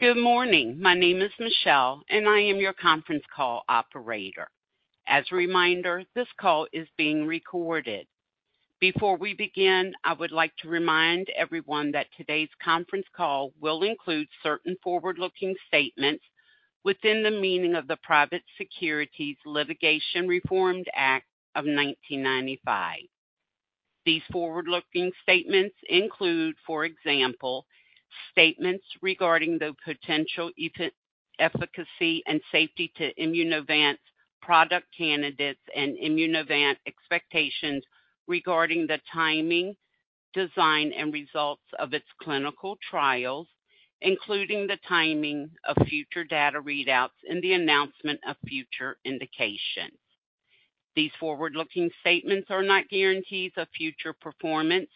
Good morning. My name is Michelle, and I am your conference call operator. As a reminder, this call is being recorded. Before we begin, I would like to remind everyone that today's conference call will include certain forward-looking statements within the meaning of the Private Securities Litigation Reform Act of 1995. These forward-looking statements include, for example, statements regarding the potential efficacy and safety of Immunovant's product candidates and Immunovant's expectations regarding the timing, design, and results of its clinical trials, including the timing of future data readouts and the announcement of future indications. These forward-looking statements are not guarantees of future performance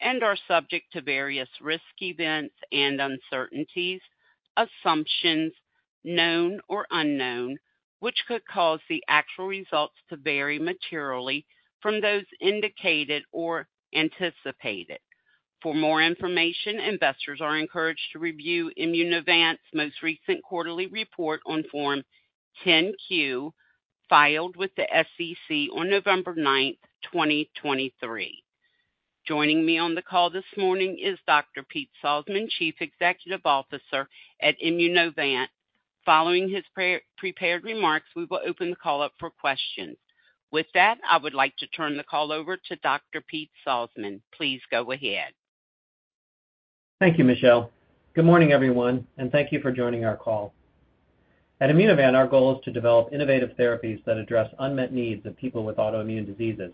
and are subject to various risk events and uncertainties, assumptions, known or unknown, which could cause the actual results to vary materially from those indicated or anticipated. For more information, investors are encouraged to review Immunovant's most recent quarterly report on Form 10-Q, filed with the SEC on November 9th, 2023. Joining me on the call this morning is Dr. Pete Salzmann, Chief Executive Officer at Immunovant. Following his pre-prepared remarks, we will open the call up for questions. With that, I would like to turn the call over to Dr. Pete Salzmann. Please go ahead. Thank you, Michelle. Good morning, everyone, and thank you for joining our call. At Immunovant, our goal is to develop innovative therapies that address unmet needs of people with autoimmune diseases.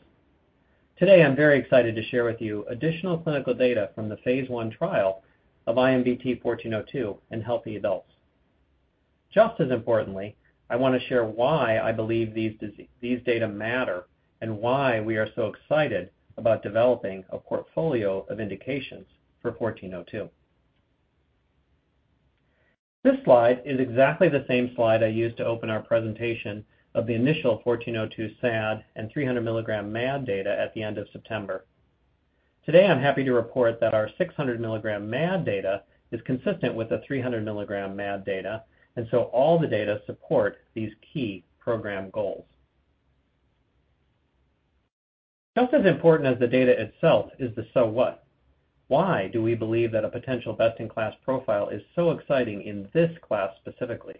Today, I'm very excited to share with you additional clinical data from the phase I trial of IMVT-1402 in healthy adults. Just as importantly, I want to share why I believe these these data matter and why we are so excited about developing a portfolio of indications for IMVT-1402. This slide is exactly the same slide I used to open our presentation of the initial IMVT-1402 SAD and 300 mg MAD data at the end of September. Today, I'm happy to report that our 600 mg MAD data is consistent with the 300 mg MAD data, and so all the data support these key program goals. Just as important as the data itself is the so what? Why do we believe that a potential best-in-class profile is so exciting in this class specifically?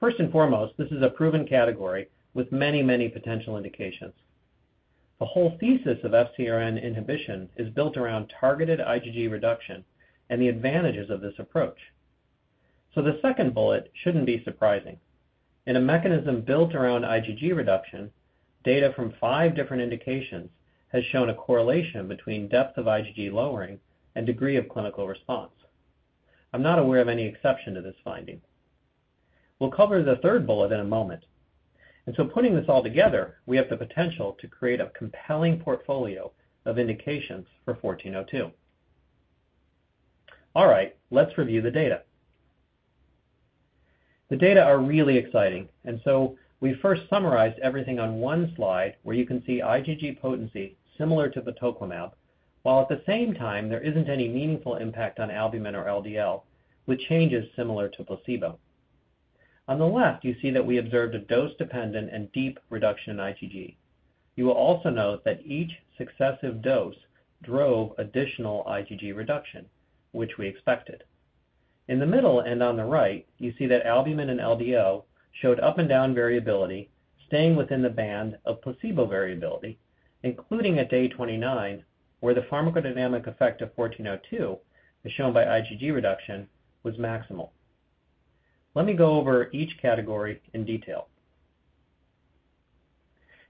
First and foremost, this is a proven category with many, many potential indications. The whole thesis of FcRn inhibition is built around targeted IgG reduction and the advantages of this approach. So the second bullet shouldn't be surprising. In a mechanism built around IgG reduction, data from five different indications has shown a correlation between depth of IgG lowering and degree of clinical response. I'm not aware of any exception to this finding. We'll cover the third bullet in a moment, and so putting this all together, we have the potential to create a compelling portfolio of indications for IMVT-1402. All right, let's review the data. The data are really exciting, and so we first summarized everything on one slide, where you can see IgG potency similar to the tocilizumab, while at the same time, there isn't any meaningful impact on albumin or LDL, with changes similar to placebo. On the left, you see that we observed a dose-dependent and deep reduction in IgG. You will also note that each successive dose drove additional IgG reduction, which we expected. In the middle and on the right, you see that albumin and LDL showed up and down variability, staying within the band of placebo variability, including at day 29, where the pharmacodynamic effect of IMVT-1402, as shown by IgG reduction, was maximal. Let me go over each category in detail.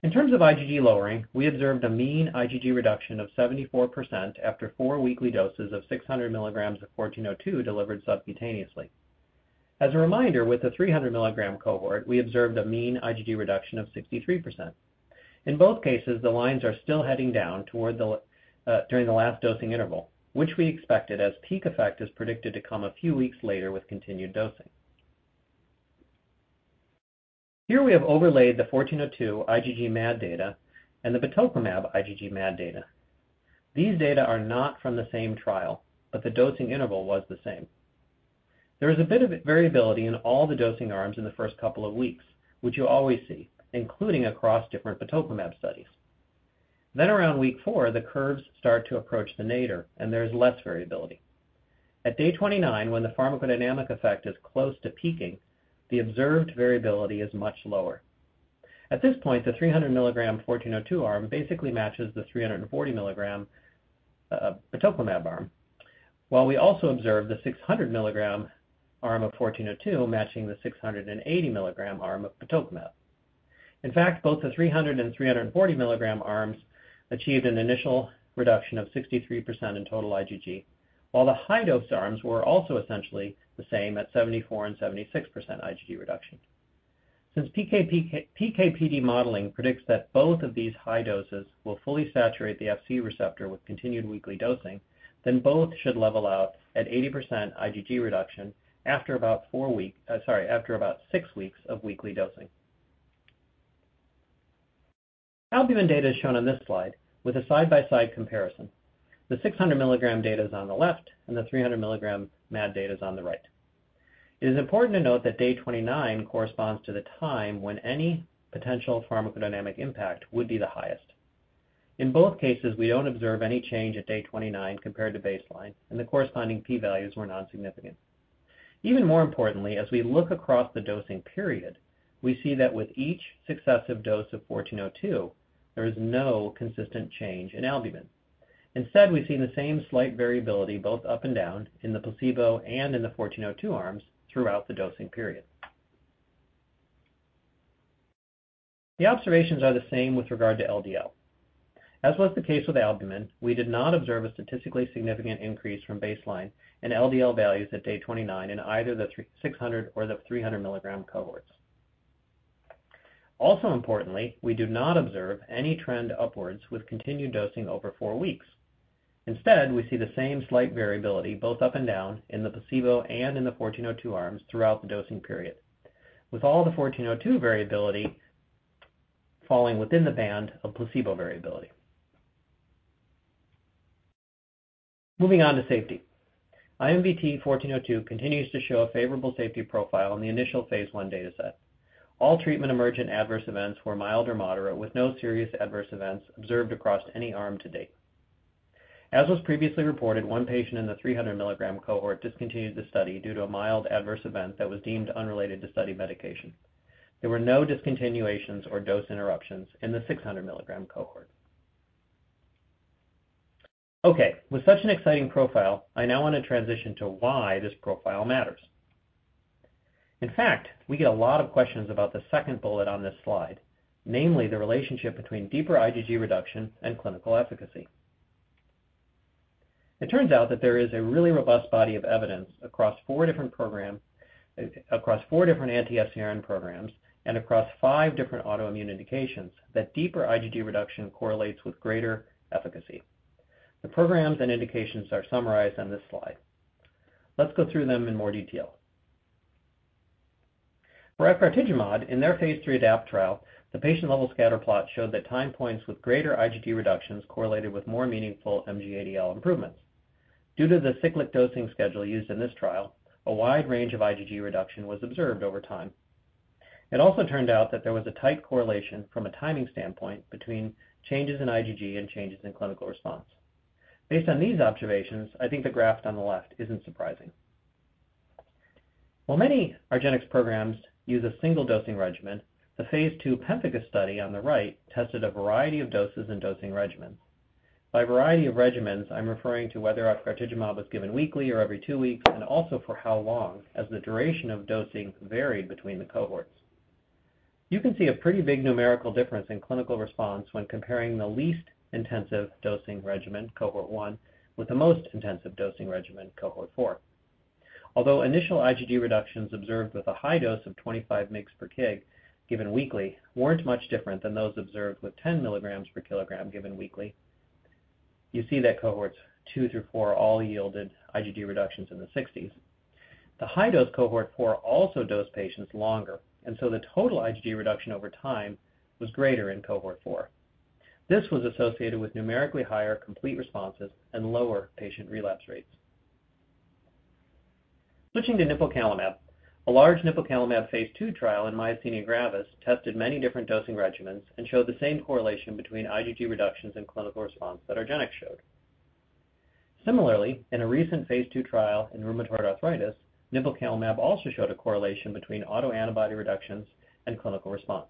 In terms of IgG lowering, we observed a mean IgG reduction of 74% after four weekly doses of 600 mg of IMVT-1402 delivered subcutaneously. As a reminder, with the 300 mg cohort, we observed a mean IgG reduction of 63%. In both cases, the lines are still heading down toward the, during the last dosing interval, which we expected, as peak effect is predicted to come a few weeks later with continued dosing. Here we have overlaid the IMVT-1402 IgG MAD data and the tocilizumab IgG MAD data. These data are not from the same trial, but the dosing interval was the same. There is a bit of variability in all the dosing arms in the first couple of weeks, which you always see, including across different tocilizumab studies. Then around week four, the curves start to approach the nadir, and there is less variability. At day 29, when the pharmacodynamic effect is close to peaking, the observed variability is much lower. At this point, the 300 mg 1402 arm basically matches the 340 mg tocilizumab arm, while we also observe the 600 mg arm of 1402 matching the 680 mg arm of tocilizumab. In fact, both the 300 and 340 mg arms achieved an initial reduction of 63% in total IgG, while the high-dose arms were also essentially the same at 74% and 76% IgG reduction. Since PK/PD modeling predicts that both of these high doses will fully saturate the Fc receptor with continued weekly dosing, then both should level out at 80% IgG reduction after about four weeks... sorry, after about six weeks of weekly dosing. Albumin data is shown on this slide with a side-by-side comparison. The 600 mg data is on the left, and the 300 mg MAD data is on the right. It is important to note that day 29 corresponds to the time when any potential pharmacodynamic impact would be the highest. In both cases, we don't observe any change at day 29 compared to baseline, and the corresponding p-values were non-significant. Even more importantly, as we look across the dosing period, we see that with each successive dose of 1402, there is no consistent change in albumin. Instead, we've seen the same slight variability, both up and down, in the placebo and in the 1402 arms throughout the dosing period. The observations are the same with regard to LDL. As was the case with albumin, we did not observe a statistically significant increase from baseline in LDL values at day 29 in either the 300, 600 or the 300 mg cohorts. Also importantly, we do not observe any trend upwards with continued dosing over four weeks. Instead, we see the same slight variability, both up and down, in the placebo and in the 1402 arms throughout the dosing period, with all the 1402 variability falling within the band of placebo variability. Moving on to safety. IMVT-1402 continues to show a favorable safety profile in the initial phase I data set. All treatment-emergent adverse events were mild or moderate, with no serious adverse events observed across any arm to date. As was previously reported, one patient in the 300 mg cohort discontinued the study due to a mild adverse event that was deemed unrelated to study medication. There were no discontinuations or dose interruptions in the 600 mg cohort. Okay, with such an exciting profile, I now want to transition to why this profile matters. In fact, we get a lot of questions about the second bullet on this slide, namely the relationship between deeper IgG reduction and clinical efficacy. It turns out that there is a really robust body of evidence across four different programs, across four different anti-FcRn programs and across five different autoimmune indications, that deeper IgG reduction correlates with greater efficacy. The programs and indications are summarized on this slide. Let's go through them in more detail. For efgartigimod, in their phase III ADAPT trial, the patient-level scatter plot showed that time points with greater IgG reductions correlated with more meaningful MG-ADL improvements. Due to the cyclic dosing schedule used in this trial, a wide range of IgG reduction was observed over time. It also turned out that there was a tight correlation from a timing standpoint between changes in IgG and changes in clinical response. Based on these observations, I think the graph on the left isn't surprising. While many argenx programs use a single dosing regimen, the phase II pemphigus study on the right tested a variety of doses and dosing regimens. By variety of regimens, I'm referring to whether efgartigimod was given weekly or every two weeks, and also for how long, as the duration of dosing varied between the cohorts. You can see a pretty big numerical difference in clinical response when comparing the least intensive dosing regimen, cohort 1, with the most intensive dosing regimen, cohort 4. Although initial IgG reductions observed with a high dose of 25 mg per kg given weekly weren't much different than those observed with 10 mg per kg given weekly, you see that cohorts 2 through 4 all yielded IgG reductions in the 60s. The high-dose cohort 4 also dosed patients longer, and so the total IgG reduction over time was greater in cohort 4. This was associated with numerically higher complete responses and lower patient relapse rates. Switching to nipocalimab, a large nipocalimab phase II trial in myasthenia gravis tested many different dosing regimens and showed the same correlation between IgG reductions and clinical response that argenx showed. Similarly, in a recent phase II trial in rheumatoid arthritis, nipocalimab also showed a correlation between autoantibody reductions and clinical response.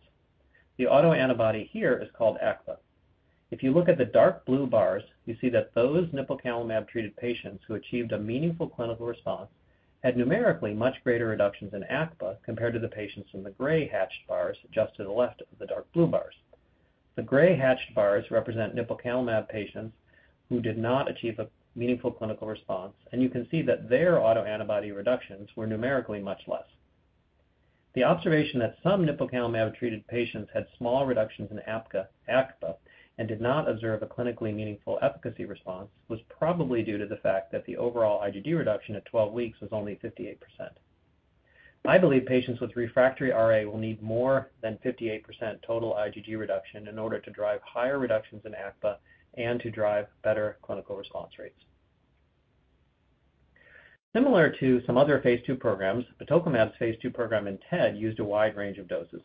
The autoantibody here is called ACPA. If you look at the dark blue bars, you see that those nipocalimab-treated patients who achieved a meaningful clinical response had numerically much greater reductions in ACPA compared to the patients in the gray hatched bars just to the left of the dark blue bars. The gray hatched bars represent nipocalimab patients who did not achieve a meaningful clinical response, and you can see that their autoantibody reductions were numerically much less. The observation that some nipocalimab-treated patients had small reductions in ACPA and did not observe a clinically meaningful efficacy response was probably due to the fact that the overall IgG reduction at 12 weeks was only 58%. I believe patients with refractory RA will need more than 58% total IgG reduction in order to drive higher reductions in ACPA and to drive better clinical response rates. Similar to some other phase II programs, batoclimab's phase II program in TED used a wide range of doses.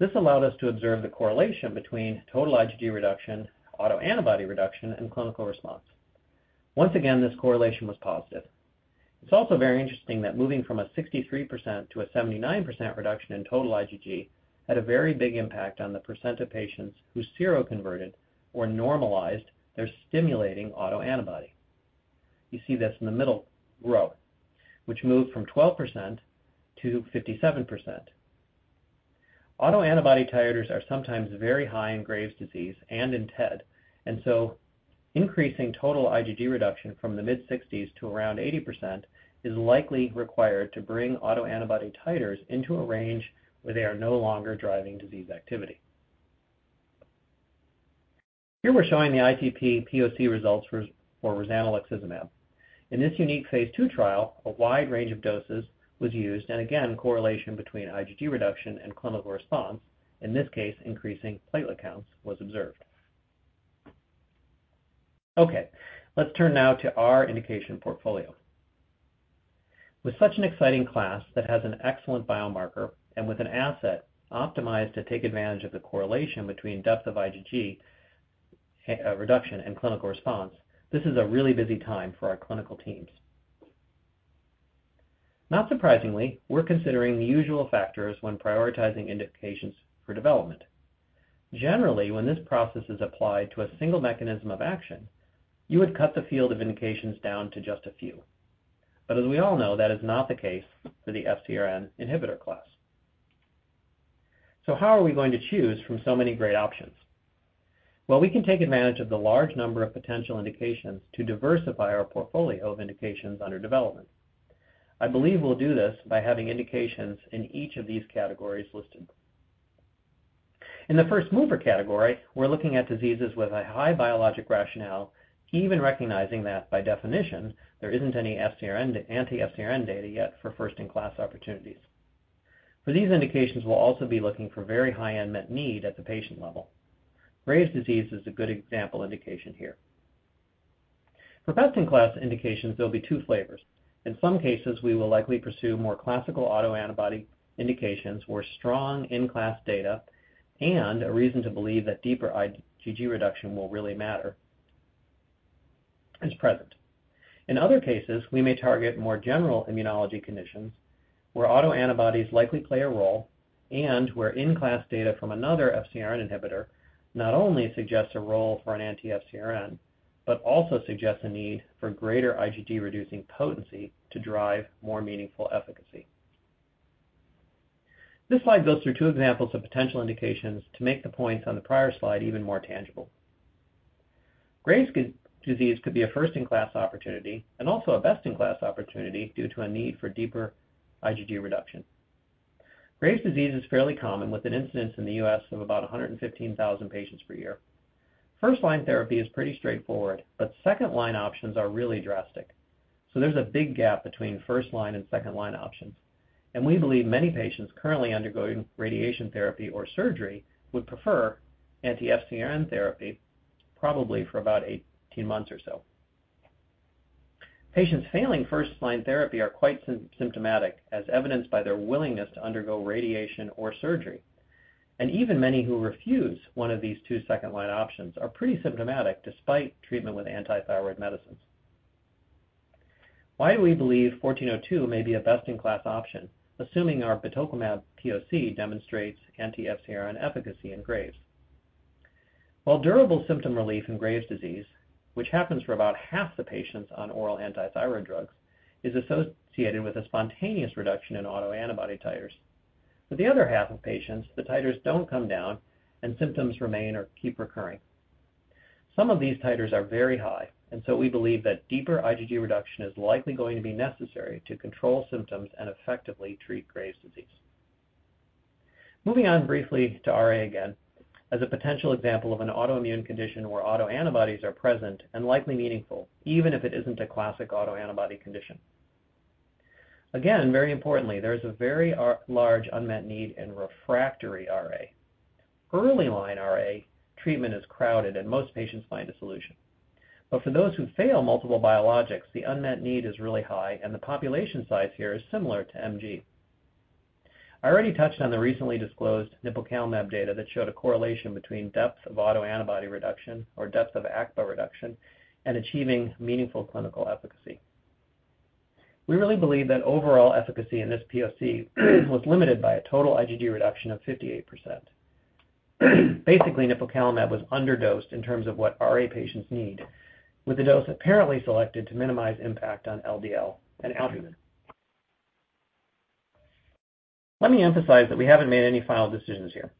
This allowed us to observe the correlation between total IgG reduction, autoantibody reduction, and clinical response. Once again, this correlation was positive. It's also very interesting that moving from a 63% to a 79% reduction in total IgG had a very big impact on the percent of patients who seroconverted or normalized their stimulating autoantibody. You see this in the middle row, which moved from 12% to 57%. Autoantibody titers are sometimes very high in Graves' disease and in TED, and so increasing total IgG reduction from the mid-60s to around 80% is likely required to bring autoantibody titers into a range where they are no longer driving disease activity. Here we're showing the ITP POC results for rozanolixizumab. In this unique phase II trial, a wide range of doses was used, and again, correlation between IgG reduction and clinical response, in this case, increasing platelet counts, was observed. Okay, let's turn now to our indication portfolio. With such an exciting class that has an excellent biomarker and with an asset optimized to take advantage of the correlation between depth of IgG, reduction and clinical response, this is a really busy time for our clinical teams. Not surprisingly, we're considering the usual factors when prioritizing indications for development. Generally, when this process is applied to a single mechanism of action, you would cut the field of indications down to just a few. But as we all know, that is not the case for the FcRn inhibitor class. So how are we going to choose from so many great options? Well, we can take advantage of the large number of potential indications to diversify our portfolio of indications under development. I believe we'll do this by having indications in each of these categories listed. In the first mover category, we're looking at diseases with a high biologic rationale, even recognizing that, by definition, there isn't any FcRn anti-FcRn data yet for first-in-class opportunities. For these indications, we'll also be looking for very high unmet need at the patient level. Graves' disease is a good example indication here. For best-in-class indications, there'll be two flavors. In some cases, we will likely pursue more classical autoantibody indications, where strong in-class data and a reason to believe that deeper IgG reduction will really matter is present. In other cases, we may target more general immunology conditions, where autoantibodies likely play a role, and where in-class data from another FcRn inhibitor not only suggests a role for an anti-FcRn, but also suggests a need for greater IgG-reducing potency to drive more meaningful efficacy. This slide goes through two examples of potential indications to make the points on the prior slide even more tangible. Graves' disease could be a first-in-class opportunity and also a best-in-class opportunity due to a need for deeper IgG reduction. Graves' disease is fairly common, with an incidence in the U.S. of about 115,000 patients per year. First-line therapy is pretty straightforward, but second-line options are really drastic, so there's a big gap between first-line and second-line options, and we believe many patients currently undergoing radiation therapy or surgery would prefer anti-FcRn therapy, probably for about 18 months or so. Patients failing first-line therapy are quite symptomatic, as evidenced by their willingness to undergo radiation or surgery. Even many who refuse one of these two second-line options are pretty symptomatic despite treatment with antithyroid medicines. Why do we believe 1402 may be a best-in-class option, assuming our batoclimab POC demonstrates anti-FcRn efficacy in Graves? While durable symptom relief in Graves' disease, which happens for about half the patients on oral antithyroid drugs, is associated with a spontaneous reduction in autoantibody titers. For the other half of patients, the titers don't come down, and symptoms remain or keep recurring. Some of these titers are very high, and so we believe that deeper IgG reduction is likely going to be necessary to control symptoms and effectively treat Graves' disease. Moving on briefly to RA again, as a potential example of an autoimmune condition where autoantibodies are present and likely meaningful, even if it isn't a classic autoantibody condition. Again, very importantly, there is a very large unmet need in refractory RA. Early-line RA treatment is crowded, and most patients find a solution. But for those who fail multiple biologics, the unmet need is really high, and the population size here is similar to MG. I already touched on the recently disclosed nipocalimab data that showed a correlation between depth of autoantibody reduction or depth of ACPA reduction and achieving meaningful clinical efficacy. We really believe that overall efficacy in this POC was limited by a total IgG reduction of 58%. Basically, nipocalimab was underdosed in terms of what RA patients need, with the dose apparently selected to minimize impact on LDL and albumin. Let me emphasize that we haven't made any final decisions here.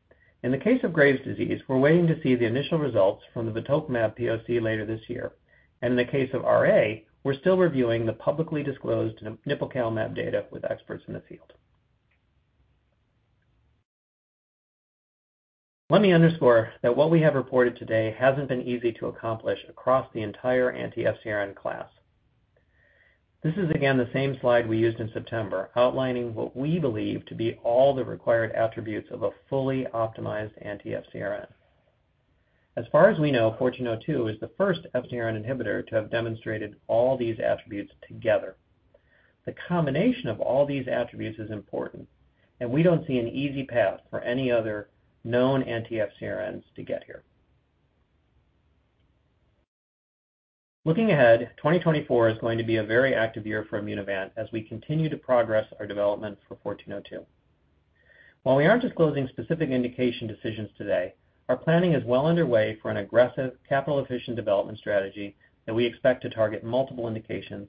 In the case of Graves' disease, we're waiting to see the initial results from the batoclimab POC later this year. And in the case of RA, we're still reviewing the publicly disclosed nipocalimab data with experts in the field. Let me underscore that what we have reported today hasn't been easy to accomplish across the entire anti-FcRn class. This is, again, the same slide we used in September, outlining what we believe to be all the required attributes of a fully optimized anti-FcRn. As far as we know, 1402 is the first FcRn inhibitor to have demonstrated all these attributes together. The combination of all these attributes is important, and we don't see an easy path for any other known anti-FcRn to get here. Looking ahead, 2024 is going to be a very active year for Immunovant as we continue to progress our development for 1402. While we aren't disclosing specific indication decisions today, our planning is well underway for an aggressive, capital-efficient development strategy that we expect to target multiple indications,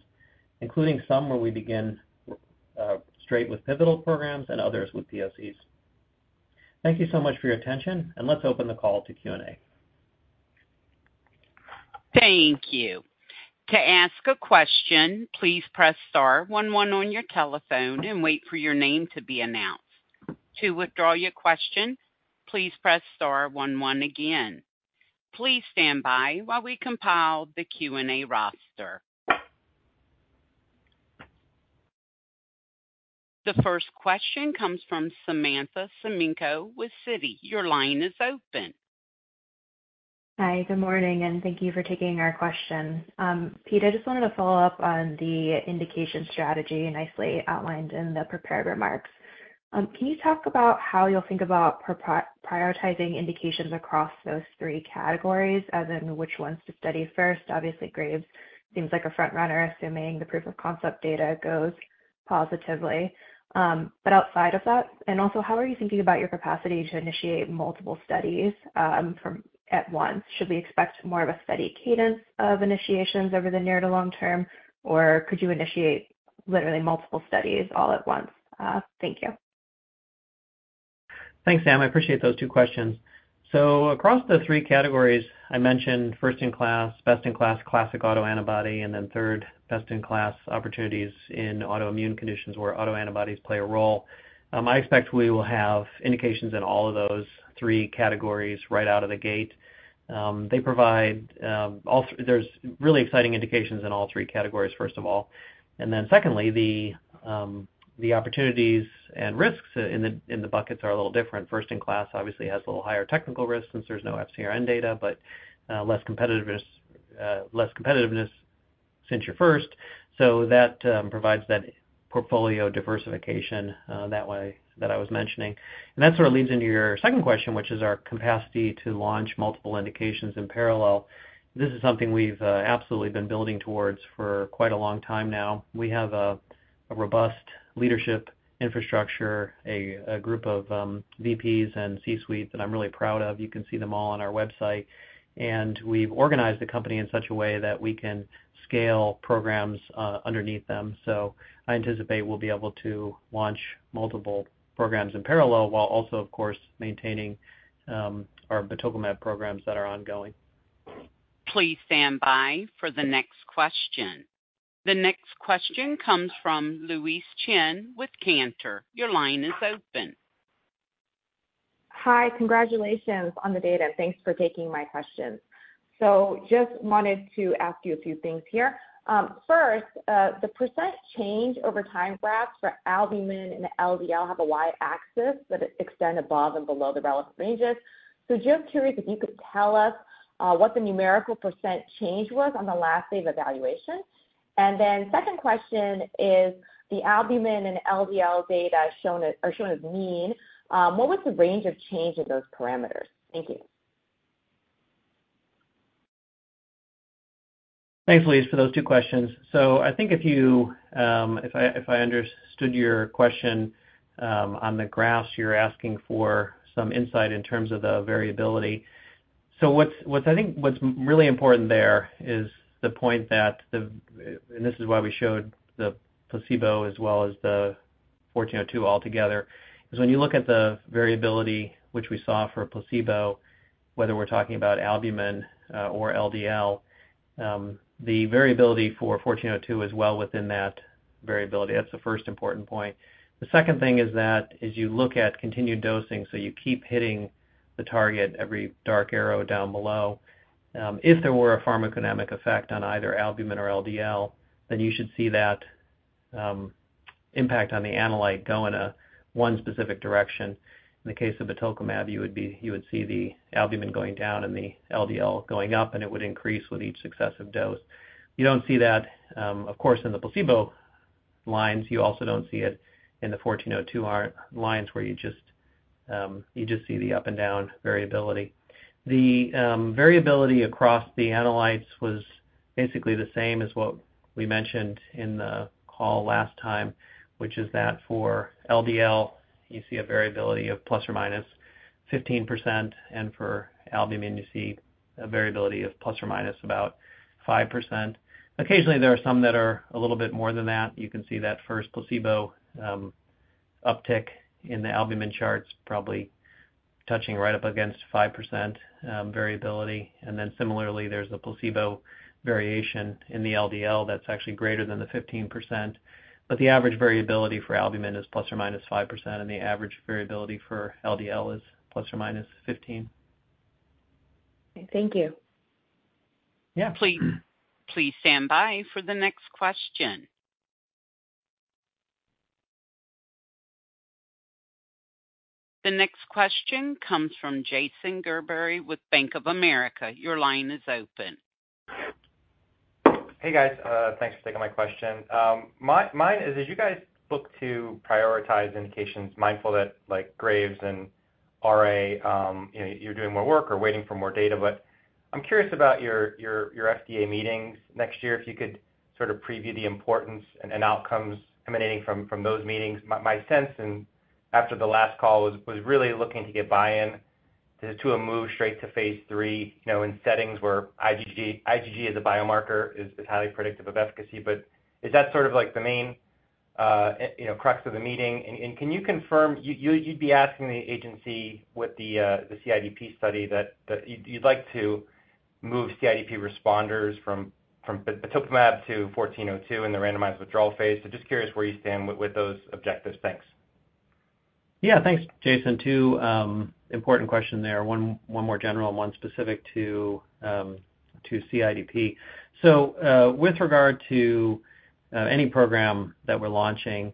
including some where we begin straight with pivotal programs and others with POCs. Thank you so much for your attention, and let's open the call to Q&A.... Thank you. To ask a question, please press star one one on your telephone and wait for your name to be announced. To withdraw your question, please press star one one again. Please stand by while we compile the Q&A roster. The first question comes from Samantha Semenkow with Citi. Your line is open. Hi, good morning, and thank you for taking our question. Pete, I just wanted to follow up on the indication strategy nicely outlined in the prepared remarks. Can you talk about how you'll think about prioritizing indications across those three categories, as in which ones to study first? Obviously, Graves seems like a front runner, assuming the proof of concept data goes positively. But outside of that, and also, how are you thinking about your capacity to initiate multiple studies all at once? Should we expect more of a steady cadence of initiations over the near to long term, or could you initiate literally multiple studies all at once? Thank you. Thanks, Sam. I appreciate those two questions. So across the three categories I mentioned, first-in-class, best-in-class, classic autoantibody, and then third, best-in-class opportunities in autoimmune conditions where autoantibodies play a role. I expect we will have indications in all of those three categories right out of the gate. They provide all... There's really exciting indications in all three categories, first of all. And then secondly, the opportunities and risks in the buckets are a little different. First-in-class obviously has a little higher technical risk since there's no FcRn data, but less competitiveness since you're first. So that provides that portfolio diversification that way that I was mentioning. And that sort of leads into your second question, which is our capacity to launch multiple indications in parallel. This is something we've absolutely been building towards for quite a long time now. We have a robust leadership infrastructure, a group of VPs and C-suites that I'm really proud of. You can see them all on our website. And we've organized the company in such a way that we can scale programs underneath them. So I anticipate we'll be able to launch multiple programs in parallel, while also, of course, maintaining our batoclimab programs that are ongoing. Please stand by for the next question. The next question comes from Louise Chen with Cantor. Your line is open. Hi, congratulations on the data. Thanks for taking my questions. Just wanted to ask you a few things here. First, the % change over time graphs for albumin and LDL have a Y-axis, but it extend above and below the relevant ranges. Just curious if you could tell us what the numerical % change was on the last day of evaluation? And then second question is, the albumin and LDL data are shown as mean, what was the range of change in those parameters? Thank you. Thanks, Louise, for those two questions. So I think if you, if I understood your question, on the graphs, you're asking for some insight in terms of the variability. So what's, I think what's really important there is the point that the, and this is why we showed the placebo as well as the 1402 altogether, is when you look at the variability which we saw for a placebo, whether we're talking about albumin, or LDL, the variability for 1402 is well within that variability. That's the first important point. The second thing is that as you look at continued dosing, so you keep hitting the target, every dark arrow down below, if there were a pharmacodynamic effect on either albumin or LDL, then you should see that impact on the analyte go in a one specific direction. In the case of batoclimab, you would be, you would see the albumin going down and the LDL going up, and it would increase with each successive dose. You don't see that, of course, in the placebo lines. You also don't see it in the 1402 lines where you just, you just see the up and down variability. The variability across the analytes was basically the same as what we mentioned in the call last time, which is that for LDL, you see a variability of ±15%, and for albumin, you see a variability of ± about 5%. Occasionally, there are some that are a little bit more than that. You can see that first placebo uptick in the albumin charts, probably touching right up against 5% variability. And then similarly, there's a placebo variation in the LDL that's actually greater than the 15%. But the average variability for albumin is ±5%, and the average variability for LDL is ±15%. Thank you. Yeah. Please, please stand by for the next question. The next question comes from Jason Gerberry with Bank of America. Your line is open. Hey, guys. Thanks for taking my question. My mine is, as you guys look to prioritize indications, mindful that like Graves and RA, you know, you're doing more work or waiting for more data, but I'm curious about your FDA meetings next year. If you could sort of preview the importance and outcomes emanating from those meetings. My sense after the last call was really looking to get buy-in to a move straight to phase three, you know, in settings where IgG as a biomarker is highly predictive of efficacy. But is that sort of like the main?... you know, crux of the meeting. And can you confirm, you'd be asking the agency what the CIDP study that you'd like to move CIDP responders from batoclimab to 1402 in the randomized withdrawal phase? So just curious where you stand with those objectives. Thanks. Yeah. Thanks, Jason. Two important question there. One, one more general and one specific to CIDP. So, with regard to any program that we're launching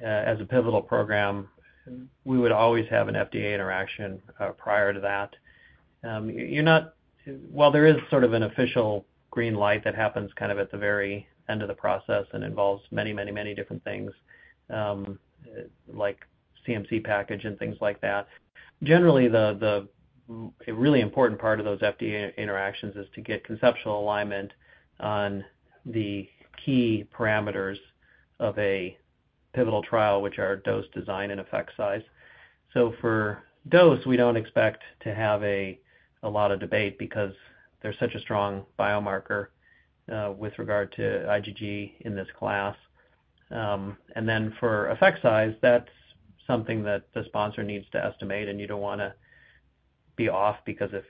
as a pivotal program, we would always have an FDA interaction prior to that. Well, there is sort of an official green light that happens kind of at the very end of the process and involves many, many, many different things like CMC package and things like that. Generally, a really important part of those FDA interactions is to get conceptual alignment on the key parameters of a pivotal trial, which are dose design and effect size. So for dose, we don't expect to have a lot of debate because there's such a strong biomarker with regard to IgG in this class. And then for effect size, that's something that the sponsor needs to estimate, and you don't wanna be off, because if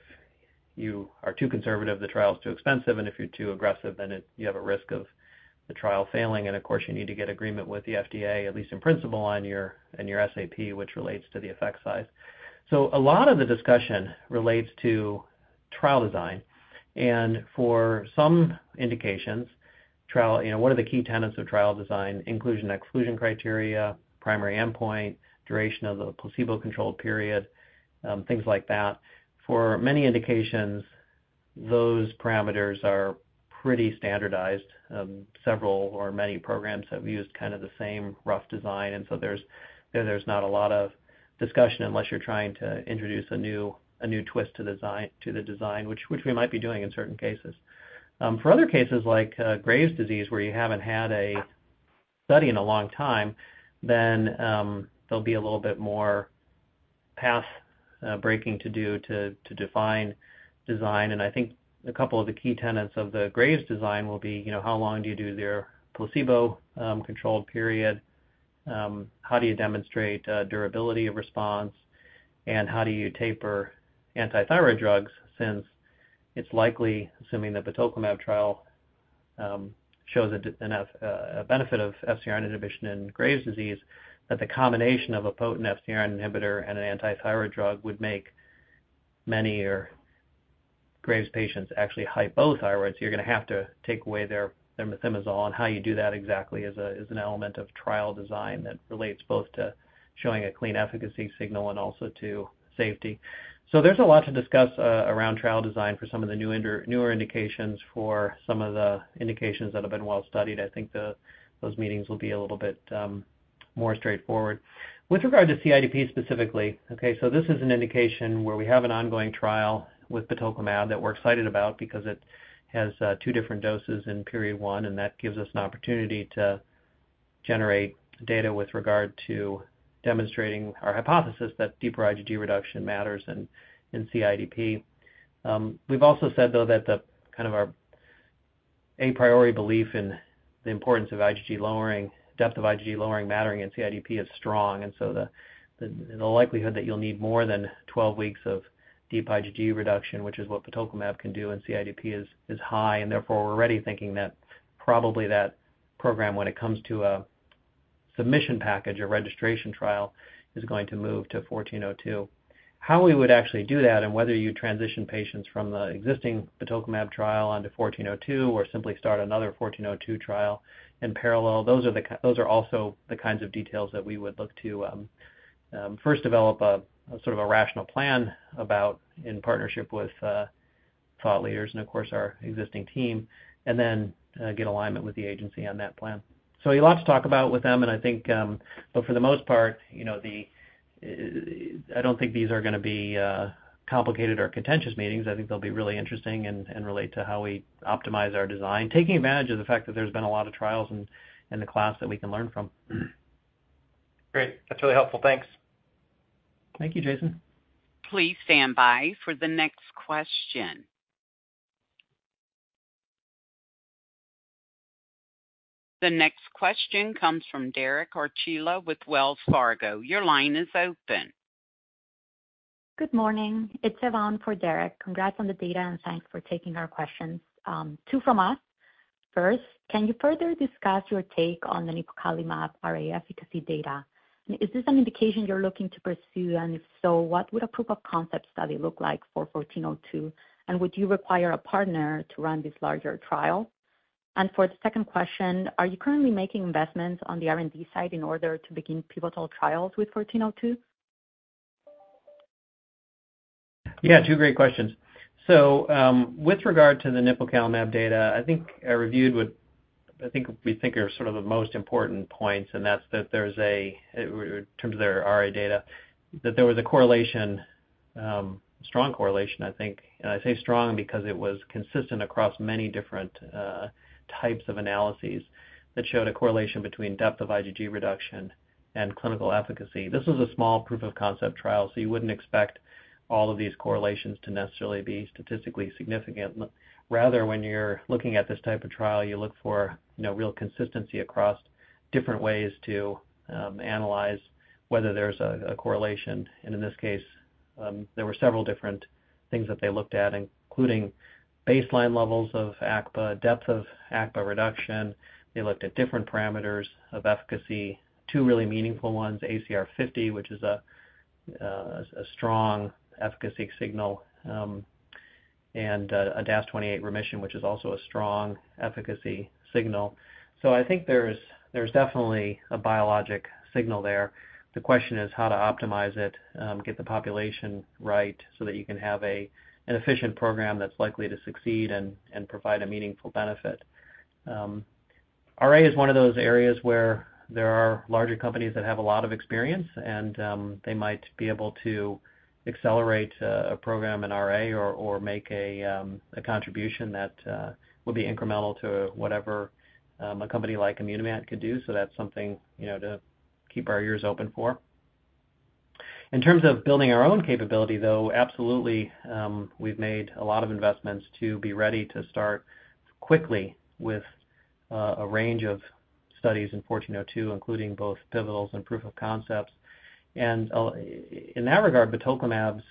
you are too conservative, the trial is too expensive, and if you're too aggressive, then you have a risk of the trial failing. And of course, you need to get agreement with the FDA, at least in principle, on your SAP, which relates to the effect size. So a lot of the discussion relates to trial design. And for some indications, you know, what are the key tenets of trial design? Inclusion, exclusion criteria, primary endpoint, duration of the placebo-controlled period, things like that. For many indications, those parameters are pretty standardized. Several or many programs have used kind of the same rough design, and so there's not a lot of discussion unless you're trying to introduce a new twist to the design, which we might be doing in certain cases. For other cases, like Graves' disease, where you haven't had a study in a long time, then there'll be a little bit more path breaking to do to define design. And I think a couple of the key tenets of the Graves' design will be, you know, how long do you do their placebo controlled period? How do you demonstrate durability of response? How do you taper antithyroid drugs? Since it's likely, assuming the batoclimab trial shows enough benefit of FcRn inhibition in Graves' disease, that the combination of a potent FcRn inhibitor and an antithyroid drug would make many Graves' patients actually hypothyroid. So you're gonna have to take away their methimazole, and how you do that exactly is an element of trial design that relates both to showing a clean efficacy signal and also to safety. So there's a lot to discuss around trial design for some of the newer indications. For some of the indications that have been well-studied, I think those meetings will be a little bit more straightforward. With regard to CIDP specifically, okay, so this is an indication where we have an ongoing trial with batoclimab that we're excited about because it has two different doses in period one, and that gives us an opportunity to generate data with regard to demonstrating our hypothesis that deeper IgG reduction matters in CIDP. We've also said, though, that kind of our a priori belief in the importance of IgG lowering, depth of IgG lowering mattering in CIDP is strong, and so the likelihood that you'll need more than 12 weeks of deep IgG reduction, which is what batoclimab can do, and CIDP is high. And therefore, we're already thinking that probably that program, when it comes to a submission package or registration trial, is going to move to 1402. How we would actually do that and whether you transition patients from the existing batoclimab trial onto 1402 or simply start another 1402 trial in parallel, those are the kinds of details that we would look to first develop a sort of a rational plan about in partnership with thought leaders and, of course, our existing team, and then get alignment with the agency on that plan. So a lot to talk about with them, and I think, but for the most part, you know, the I don't think these are gonna be complicated or contentious meetings. I think they'll be really interesting and relate to how we optimize our design, taking advantage of the fact that there's been a lot of trials in the class that we can learn from. Great. That's really helpful. Thanks. Thank you, Jason. Please stand by for the next question. The next question comes from Derek Archila with Wells Fargo. Your line is open. Good morning. It's Yvonne for Derek. Congrats on the data, and thanks for taking our questions. Two from us. First, can you further discuss your take on the nipocalimab RA efficacy data? Is this an indication you're looking to pursue, and if so, what would a proof of concept study look like for 1402? And would you require a partner to run this larger trial? And for the second question, are you currently making investments on the R&D side in order to begin pivotal trials with 1402? Yeah, two great questions. So, with regard to the nipocalimab data, I think I reviewed what I think we think are sort of the most important points, and that's that there's a, in terms of their RA data, that there was a correlation, strong correlation, I think, and I say strong because it was consistent across many different, types of analyses that showed a correlation between depth of IgG reduction and clinical efficacy. This was a small proof of concept trial, so you wouldn't expect all of these correlations to necessarily be statistically significant. Rather, when you're looking at this type of trial, you look for, you know, real consistency across different ways to, analyze whether there's a, a correlation. And in this case, there were several different things that they looked at, including baseline levels of ACPA, depth of ACPA reduction. They looked at different parameters of efficacy. Two really meaningful ones, ACR50, which is a strong efficacy signal, and a DAS28 remission, which is also a strong efficacy signal. So I think there's definitely a biologic signal there. The question is how to optimize it, get the population right so that you can have an efficient program that's likely to succeed and provide a meaningful benefit. RA is one of those areas where there are larger companies that have a lot of experience, and they might be able to accelerate a program in RA or make a contribution that will be incremental to whatever a company like Immunovant could do. So that's something, you know, to keep our ears open for. In terms of building our own capability, though, absolutely, we've made a lot of investments to be ready to start quickly with a range of studies in 1402, including both pivotals and proof of concepts. In that regard, batoclimab's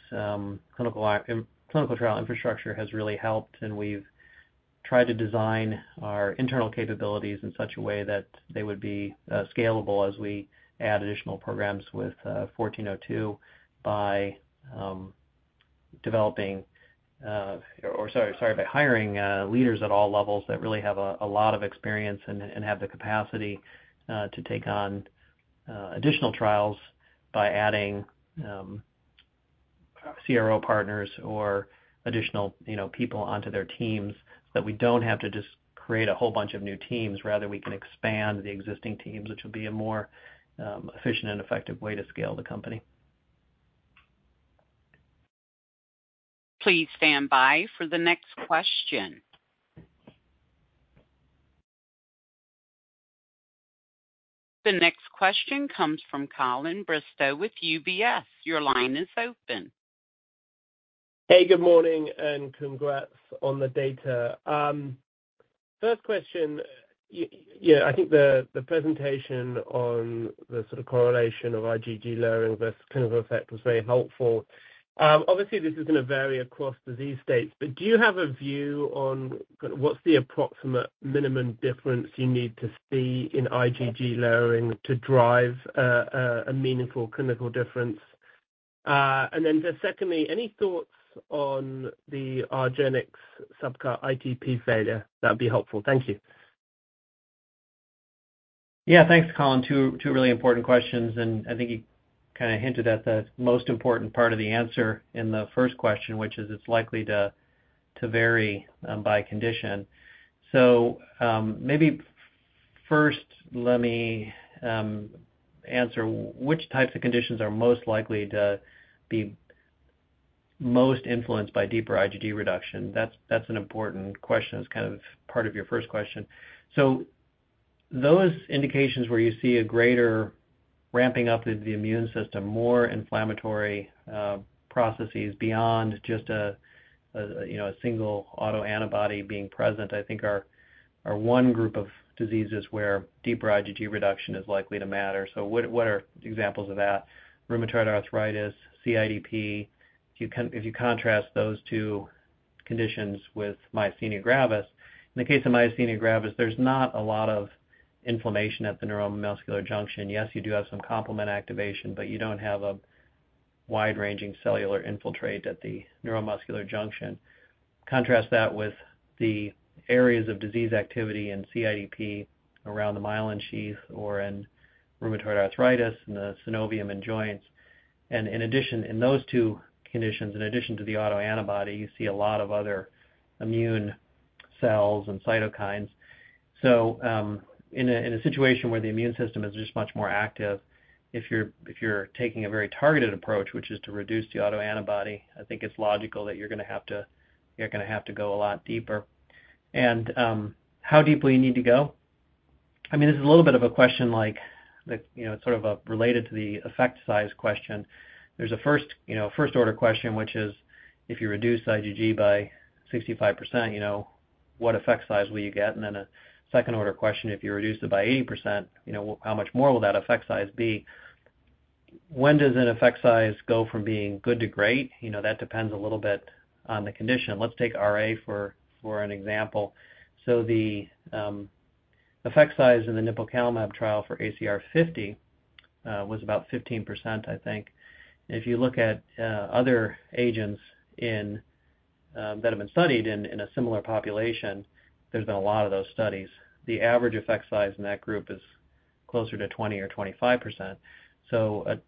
clinical trial infrastructure has really helped, and we've tried to design our internal capabilities in such a way that they would be scalable as we add additional programs with 1402, by hiring leaders at all levels that really have a lot of experience and have the capacity to take on additional trials by adding CRO partners or additional, you know, people onto their teams, that we don't have to just create a whole bunch of new teams. Rather, we can expand the existing teams, which will be a more, efficient and effective way to scale the company. Please stand by for the next question. The next question comes from Colin Bristow with UBS. Your line is open. Hey, good morning and congrats on the data. First question, yeah, I think the presentation on the sort of correlation of IgG lowering this clinical effect was very helpful. Obviously, this is going to vary across disease states, but do you have a view on what's the approximate minimum difference you need to see in IgG lowering to drive a meaningful clinical difference? And then just secondly, any thoughts on the argenx subcut ITP failure? That'd be helpful. Thank you. Yeah, thanks, Colin. Two, two really important questions, and I think you kinda hinted at the most important part of the answer in the first question, which is it's likely to, to vary, by condition. So, maybe first let me answer which types of conditions are most likely to be most influenced by deeper IgG reduction? That's, that's an important question. It's kind of part of your first question. So those indications where you see a greater ramping up of the immune system, more inflammatory, processes beyond just a, a, you know, a single autoantibody being present, I think are, are one group of diseases where deeper IgG reduction is likely to matter. So what, what are examples of that? Rheumatoid arthritis, CIDP. If you contrast those two conditions with myasthenia gravis, in the case of myasthenia gravis, there's not a lot of inflammation at the neuromuscular junction. Yes, you do have some complement activation, but you don't have a wide-ranging cellular infiltrate at the neuromuscular junction. Contrast that with the areas of disease activity in CIDP around the myelin sheath, or in rheumatoid arthritis in the synovium and joints. And in addition, in those two conditions, in addition to the autoantibody, you see a lot of other immune cells and cytokines. So, in a situation where the immune system is just much more active, if you're taking a very targeted approach, which is to reduce the autoantibody, I think it's logical that you're gonna have to go a lot deeper. And how deeply you need to go? I mean, this is a little bit of a question like, like, you know, sort of, related to the effect size question. There's a first, you know, first-order question, which is: if you reduce IgG by 65%, you know, what effect size will you get? And then a second-order question: if you reduce it by 80%, you know, how much more will that effect size be? When does an effect size go from being good to great? You know, that depends a little bit on the condition. Let's take RA for an example. So the effect size in the Nipocalimab trial for ACR50 was about 15%, I think. If you look at other agents in that have been studied in a similar population, there's been a lot of those studies. The average effect size in that group is closer to 20% or 25%. So,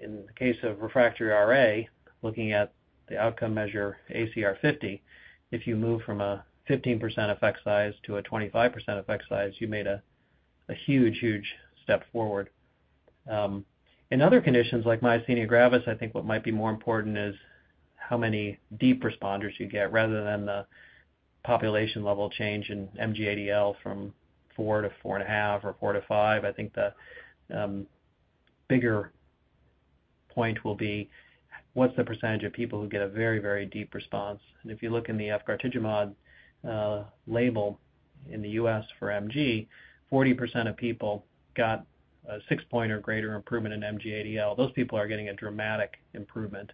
in the case of refractory RA, looking at the outcome measure, ACR 50, if you move from a 15% effect size to a 25% effect size, you made a huge, huge step forward. In other conditions like myasthenia gravis, I think what might be more important is how many deep responders you get, rather than the population level change in MG-ADL from four to 4.5 or four to five. I think the bigger point will be what's the percentage of people who get a very, very deep response? And if you look in the efgartigimod label in the U.S. for MG, 40% of people got a six-point or greater improvement in MG-ADL. Those people are getting a dramatic improvement.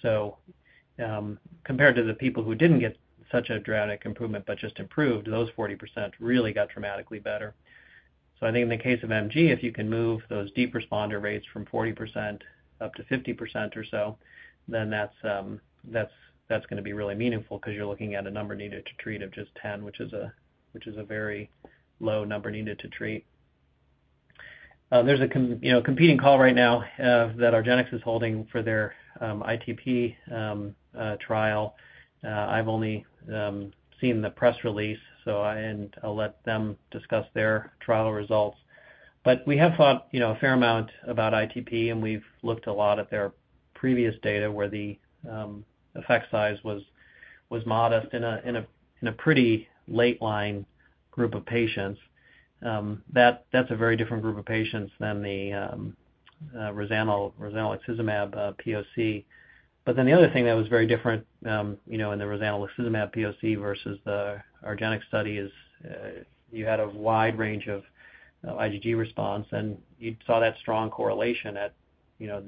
So, compared to the people who didn't get such a dramatic improvement, but just improved, those 40% really got dramatically better. So I think in the case of MG, if you can move those deep responder rates from 40% up to 50% or so, then that's gonna be really meaningful because you're looking at a number needed to treat of just 10, which is a very low number needed to treat. There's a, you know, competing call right now, that argenx is holding for their ITP trial. I've only seen the press release, so and I'll let them discuss their trial results. But we have thought, you know, a fair amount about ITP, and we've looked a lot at their previous data, where the effect size was modest in a pretty late line group of patients. That's a very different group of patients than the rozanolixizumab POC. But then the other thing that was very different, you know, in the rozanolixizumab POC versus the argenx study is you had a wide range of IgG response, and you saw that strong correlation at, you know,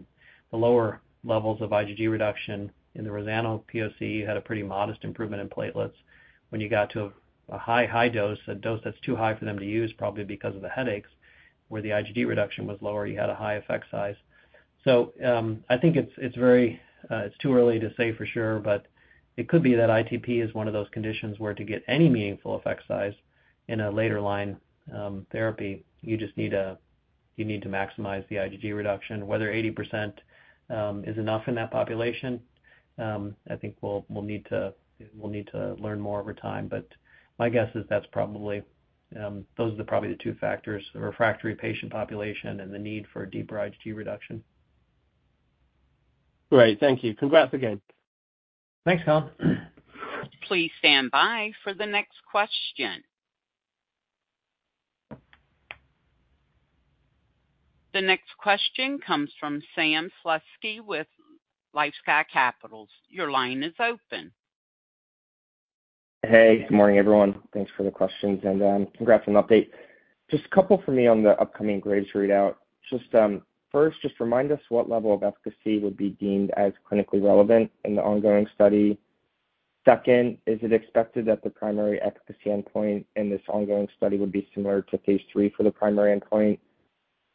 the lower levels of IgG reduction. In the rozanolixizumab POC, you had a pretty modest improvement in platelets. When you got to a high dose, a dose that's too high for them to use, probably because of the headaches, where the IgG reduction was lower, you had a high effect size. So, I think it's too early to say for sure, but it could be that ITP is one of those conditions where to get any meaningful effect size in a later line therapy, you just need to, you need to maximize the IgG reduction. Whether 80% is enough in that population, I think we'll, we'll need to, we'll need to learn more over time. But my guess is that's probably, those are probably the two factors, the refractory patient population and the need for a deeper IgG reduction. Great. Thank you. Congrats again. Thanks, Colin. Please stand by for the next question. The next question comes from Sam Slutsky with LifeSci Capital. Your line is open. Hey, good morning, everyone. Thanks for the questions, and congrats on the update. Just a couple for me on the upcoming Graves readout. Just, first, just remind us what level of efficacy would be deemed as clinically relevant in the ongoing study. Second, is it expected that the primary efficacy endpoint in this ongoing study would be similar to phase III for the primary endpoint?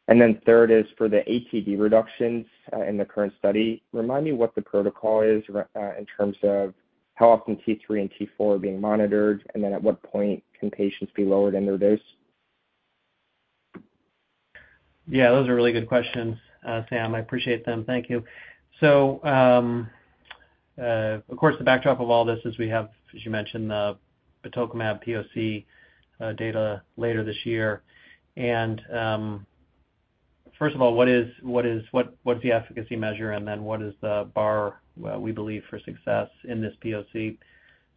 And then third is for the ATD reductions, in the current study, remind me what the protocol is in terms of how often T3 and T4 are being monitored, and then at what point can patients be lowered in their dose? Yeah, those are really good questions, Sam. I appreciate them. Thank you. So, of course, the backdrop of all this is we have, as you mentioned, the batoclimab POC data later this year. And, first of all, what's the efficacy measure, and then what is the bar we believe for success in this POC?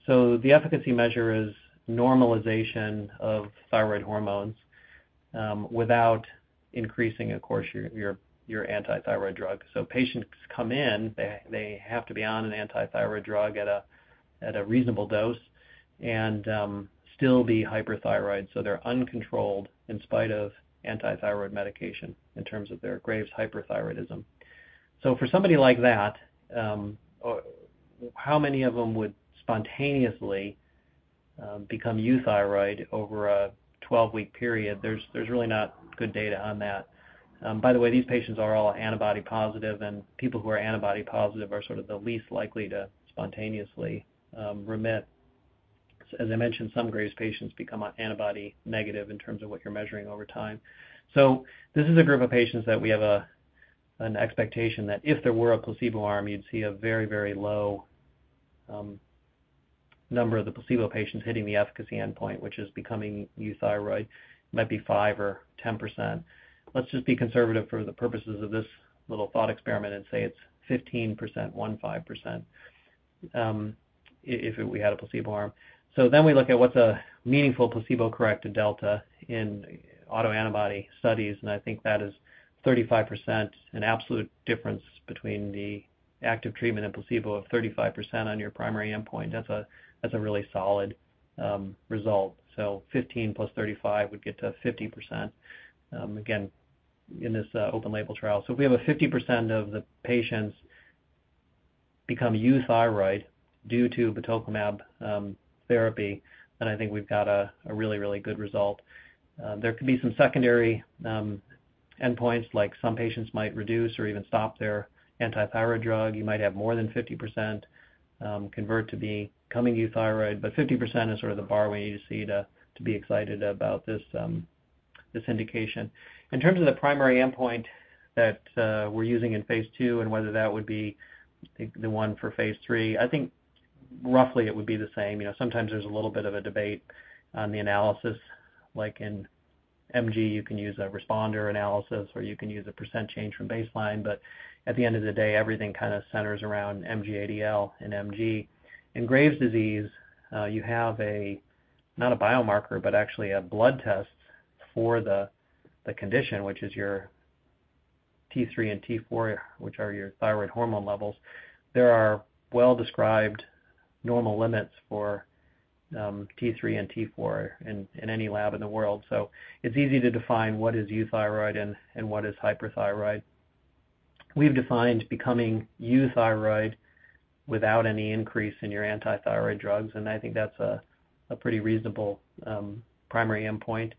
So the efficacy measure is normalization of thyroid hormones without increasing, of course, your anti-thyroid drug. So patients come in, they have to be on an anti-thyroid drug at a reasonable dose and still be hyperthyroid. So they're uncontrolled in spite of anti-thyroid medication in terms of their Graves' hyperthyroidism. So for somebody like that, how many of them would spontaneously become euthyroid over a 12-week period? There's really not good data on that. By the way, these patients are all antibody positive, and people who are antibody positive are sort of the least likely to spontaneously remit. As I mentioned, some Graves' patients become antibody negative in terms of what you're measuring over time. So this is a group of patients that we have a, an expectation that if there were a placebo arm, you'd see a very, very low number of the placebo patients hitting the efficacy endpoint, which is becoming euthyroid. Might be 5% or 10%. Let's just be conservative for the purposes of this little thought experiment and say it's 15%, 15%, if we had a placebo arm. So then we look at what's a meaningful placebo-corrected delta in autoantibody studies, and I think that is 35%. An absolute difference between the active treatment and placebo of 35% on your primary endpoint, that's a really solid result. So 15 + 35 would get to 50%, again, in this open-label trial. So if we have 50% of the patients become euthyroid due to batoclimab therapy, then I think we've got a really, really good result. There could be some secondary endpoints, like some patients might reduce or even stop their anti-thyroid drug. You might have more than 50% convert to becoming euthyroid, but 50% is sort of the bar we need to see to be excited about this indication. In terms of the primary endpoint that we're using in phase II and whether that would be, I think, the one for phase III, I think... Roughly it would be the same. You know, sometimes there's a little bit of a debate on the analysis. Like in MG, you can use a responder analysis, or you can use a percent change from baseline. But at the end of the day, everything kind of centers around MG-ADL and MG. In Graves' disease, you have not a biomarker, but actually a blood test for the condition, which is your T3 and T4, which are your thyroid hormone levels. There are well-described normal limits for T3 and T4 in any lab in the world. So it's easy to define what is euthyroid and what is hyperthyroid. We've defined becoming euthyroid without any increase in your anti-thyroid drugs, and I think that's a pretty reasonable primary endpoint.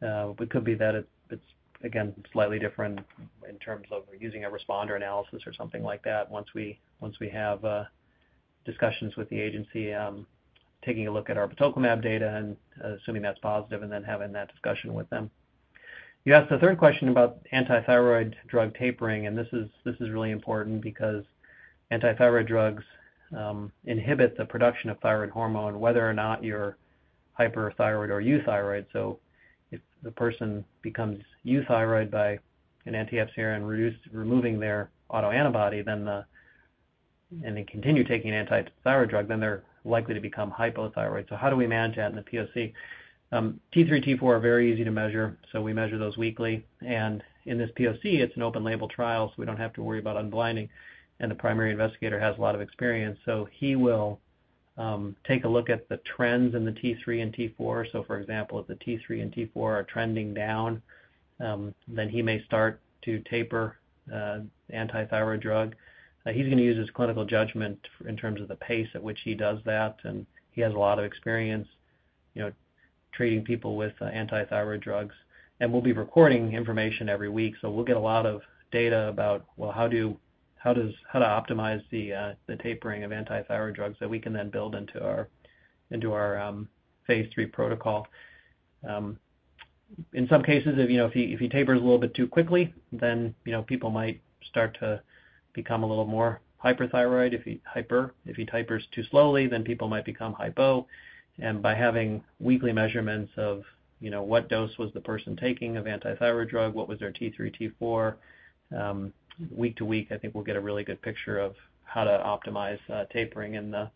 But could be that it's, again, slightly different in terms of using a responder analysis or something like that once we have discussions with the agency, taking a look at our batoclimab data and assuming that's positive and then having that discussion with them. You asked the third question about anti-thyroid drug tapering, and this is really important because anti-thyroid drugs inhibit the production of thyroid hormone, whether or not you're hyperthyroid or euthyroid. So if the person becomes euthyroid by an anti-FcRn and removing their autoantibody, then the... They continue taking an anti-thyroid drug, then they're likely to become hypothyroid. So how do we manage that in the POC? T3, T4 are very easy to measure, so we measure those weekly. In this POC, it's an open label trial, so we don't have to worry about unblinding, and the primary investigator has a lot of experience. So he will take a look at the trends in the T3 and T4. So for example, if the T3 and T4 are trending down, then he may start to taper anti-thyroid drug. He's gonna use his clinical judgment in terms of the pace at which he does that, and he has a lot of experience, you know, treating people with anti-thyroid drugs. And we'll be recording information every week, so we'll get a lot of data about, well, how to optimize the tapering of anti-thyroid drugs that we can then build into our phase III protocol. In some cases, if you know, if he tapers a little bit too quickly, then you know, people might start to become a little more hyperthyroid. If he tapers too slowly, then people might become hypo. And by having weekly measurements of you know, what dose was the person taking of anti-thyroid drug? What was their T3, T4? Week to week, I think we'll get a really good picture of how to optimize tapering in the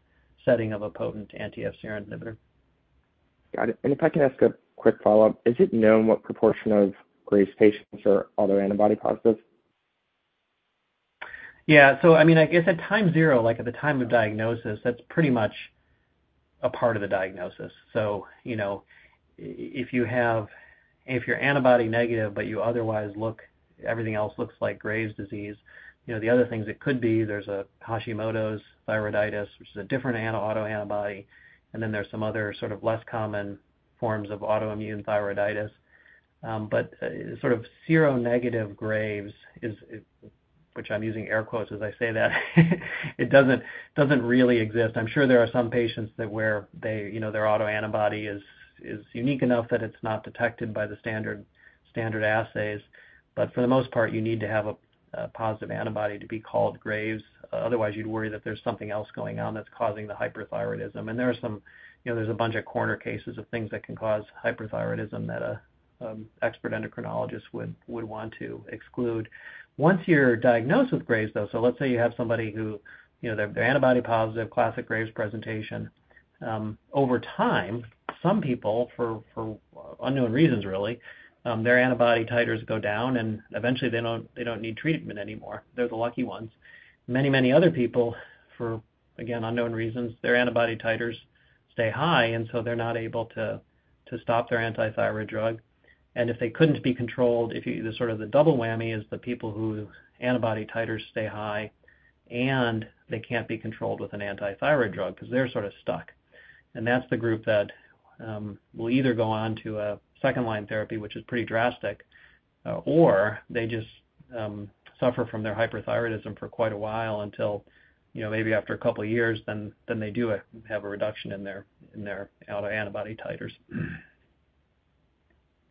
setting of a potent anti-FcRn inhibitor. Got it. If I can ask a quick follow-up. Is it known what proportion of Graves' patients are autoantibody positive? Yeah. So I mean, I guess at time zero, like at the time of diagnosis, that's pretty much a part of the diagnosis. So, you know, if you have, if you're antibody negative, but you otherwise look, everything else looks like Graves' disease, you know, the other things it could be, there's a Hashimoto's thyroiditis, which is a different autoantibody, and then there's some other sort of less common forms of autoimmune thyroiditis. But sort of seronegative Graves' is, which I'm using air quotes as I say that, it doesn't really exist. I'm sure there are some patients where they, you know, their autoantibody is unique enough that it's not detected by the standard assays. But for the most part, you need to have a positive antibody to be called Graves. Otherwise, you'd worry that there's something else going on that's causing the hyperthyroidism. There are some, you know, there's a bunch of corner cases of things that can cause hyperthyroidism that an expert endocrinologist would want to exclude. Once you're diagnosed with Graves, though, so let's say you have somebody who, you know, they're antibody positive, classic Graves' presentation. Over time, some people, for unknown reasons really, their antibody titers go down, and eventually they don't need treatment anymore. They're the lucky ones. Many other people, for again, unknown reasons, their antibody titers stay high, and so they're not able to stop their anti-thyroid drug. If they couldn't be controlled, the sort of double whammy is the people who antibody titers stay high, and they can't be controlled with an anti-thyroid drug because they're sort of stuck. That's the group that will either go on to a second-line therapy, which is pretty drastic, or they just suffer from their hyperthyroidism for quite a while until, you know, maybe after a couple of years, then they do have a reduction in their autoantibody titers.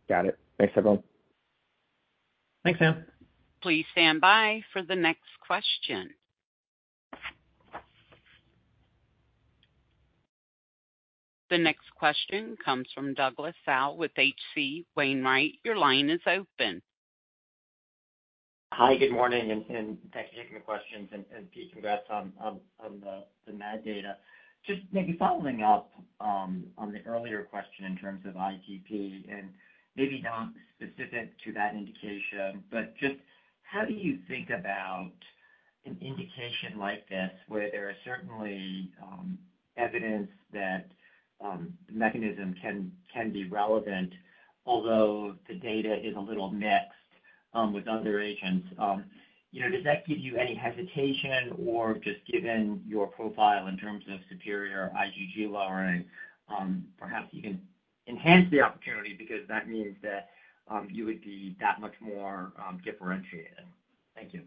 Got it. Thanks, everyone. Thanks, Sam. Please stand by for the next question. The next question comes from Douglas Tsao with HC Wainwright. Your line is open. Hi, good morning, and thanks for taking the questions, and Pete, congrats on the MAD data. Just maybe following up on the earlier question in terms of ITP, and maybe not specific to that indication, but just how do you think about an indication like this, where there is certainly evidence that the mechanism can be relevant, although the data is a little mixed with other agents? You know, does that give you any hesitation or just given your profile in terms of superior IgG lowering, perhaps you can enhance the opportunity because that means that you would be that much more differentiated? Thank you.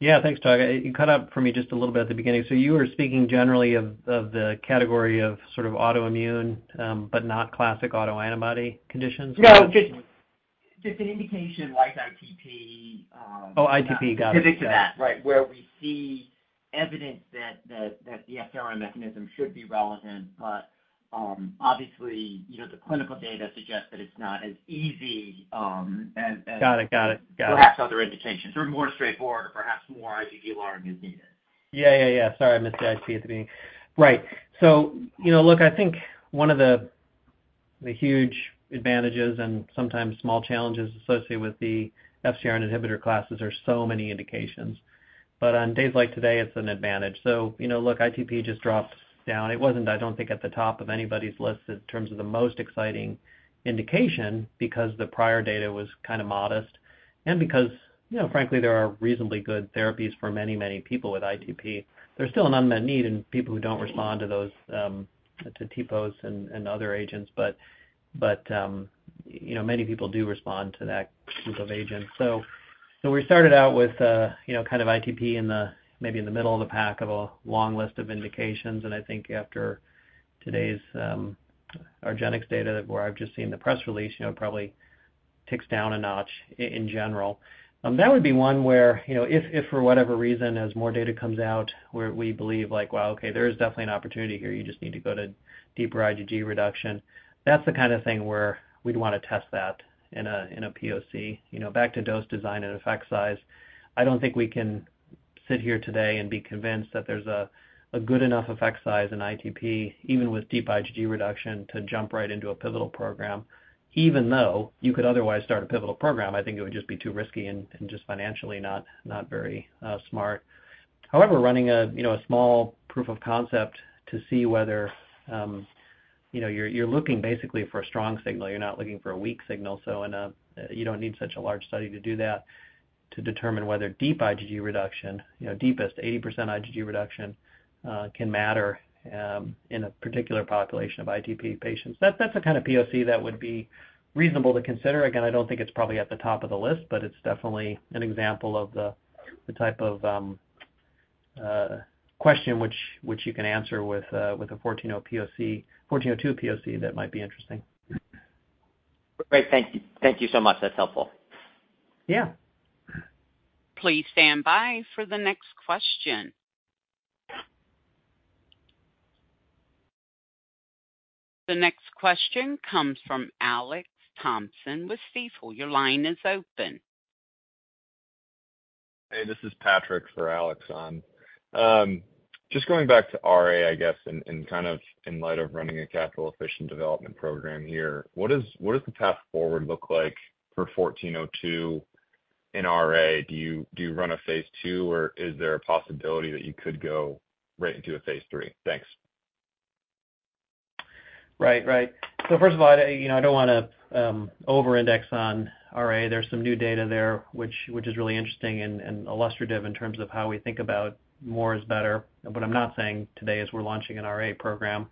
Yeah. Thanks, Doug. You cut out for me just a little bit at the beginning. So you were speaking generally of the category of sort of autoimmune, but not classic autoantibody conditions? No, just-... Just an indication like ITP, Oh, ITP, got it. Specific to that, right, where we see evidence that the FcRn mechanism should be relevant, but obviously, you know, the clinical data suggests that it's not as easy as- Got it. Got it. Got it. Perhaps other indications, or more straightforward, or perhaps more IgG large is needed. Yeah. Yeah, yeah. Sorry, I missed the ITP at the beginning. Right. So, you know, look, I think one of the huge advantages and sometimes small challenges associated with the FcRn inhibitor classes are so many indications. But on days like today, it's an advantage. So, you know, look, ITP just dropped down. It wasn't, I don't think, at the top of anybody's list in terms of the most exciting indication, because the prior data was kind of modest and because, you know, frankly, there are reasonably good therapies for many, many people with ITP. There's still an unmet need in people who don't respond to those, to TPOs and other agents, but you know, many people do respond to that group of agents. So we started out with, you know, kind of ITP in the, maybe in the middle of the pack of a long list of indications. And I think after today's, argenx data, where I've just seen the press release, you know, it probably ticks down a notch in general. That would be one where, you know, if, if for whatever reason, as more data comes out, where we believe, like, wow, okay, there is definitely an opportunity here, you just need to go to deeper IgG reduction. That's the kind of thing where we'd want to test that in a POC. You know, back to dose design and effect size, I don't think we can sit here today and be convinced that there's a good enough effect size in ITP, even with deep IgG reduction, to jump right into a pivotal program, even though you could otherwise start a pivotal program. I think it would just be too risky and just financially not very smart. However, running, you know, a small proof of concept to see whether, you know, you're looking basically for a strong signal. You're not looking for a weak signal, so in a... You don't need such a large study to do that, to determine whether deep IgG reduction, you know, deepest 80% IgG reduction can matter in a particular population of ITP patients. That's the kind of POC that would be reasonable to consider. Again, I don't think it's probably at the top of the list, but it's definitely an example of the type of question which you can answer with a 140 POC, 1402 POC that might be interesting. Great. Thank you. Thank you so much. That's helpful. Yeah. Please stand by for the next question. The next question comes from Alex Thompson with Stifel. Your line is open. Hey, this is Patrick for Alex. Just going back to RA, I guess, and kind of in light of running a capital efficient development program here, what does the path forward look like for 1402 in RA? Do you run a phase II, or is there a possibility that you could go right into a phase III? Thanks. Right. Right. So first of all, you know, I don't want to overindex on RA. There's some new data there, which, which is really interesting and, and illustrative in terms of how we think about more is better. But I'm not saying today is we're launching an RA program.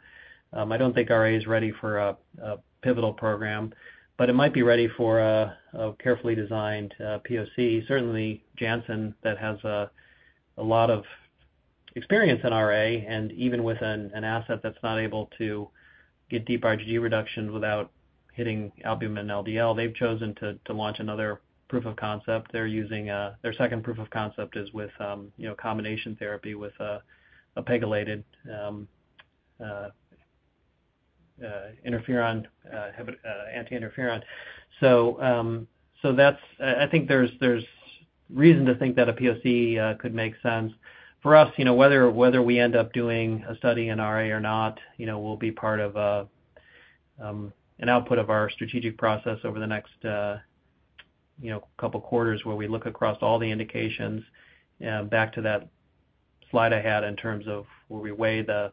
I don't think RA is ready for a, a pivotal program, but it might be ready for a, a carefully designed POC. Certainly, Janssen, that has a, a lot of experience in RA, and even with an, an asset that's not able to get deep IgG reductions without hitting albumin and LDL, they've chosen to, to launch another proof of concept. They're using... Their second proof of concept is with, you know, combination therapy with a pegylated interferon, heb- anti-interferon. So, so that's... I think there's reason to think that a POC could make sense. For us, you know, whether we end up doing a study in RA or not, you know, will be part of an output of our strategic process over the next couple quarters, where we look across all the indications. Back to that slide I had in terms of where we weigh the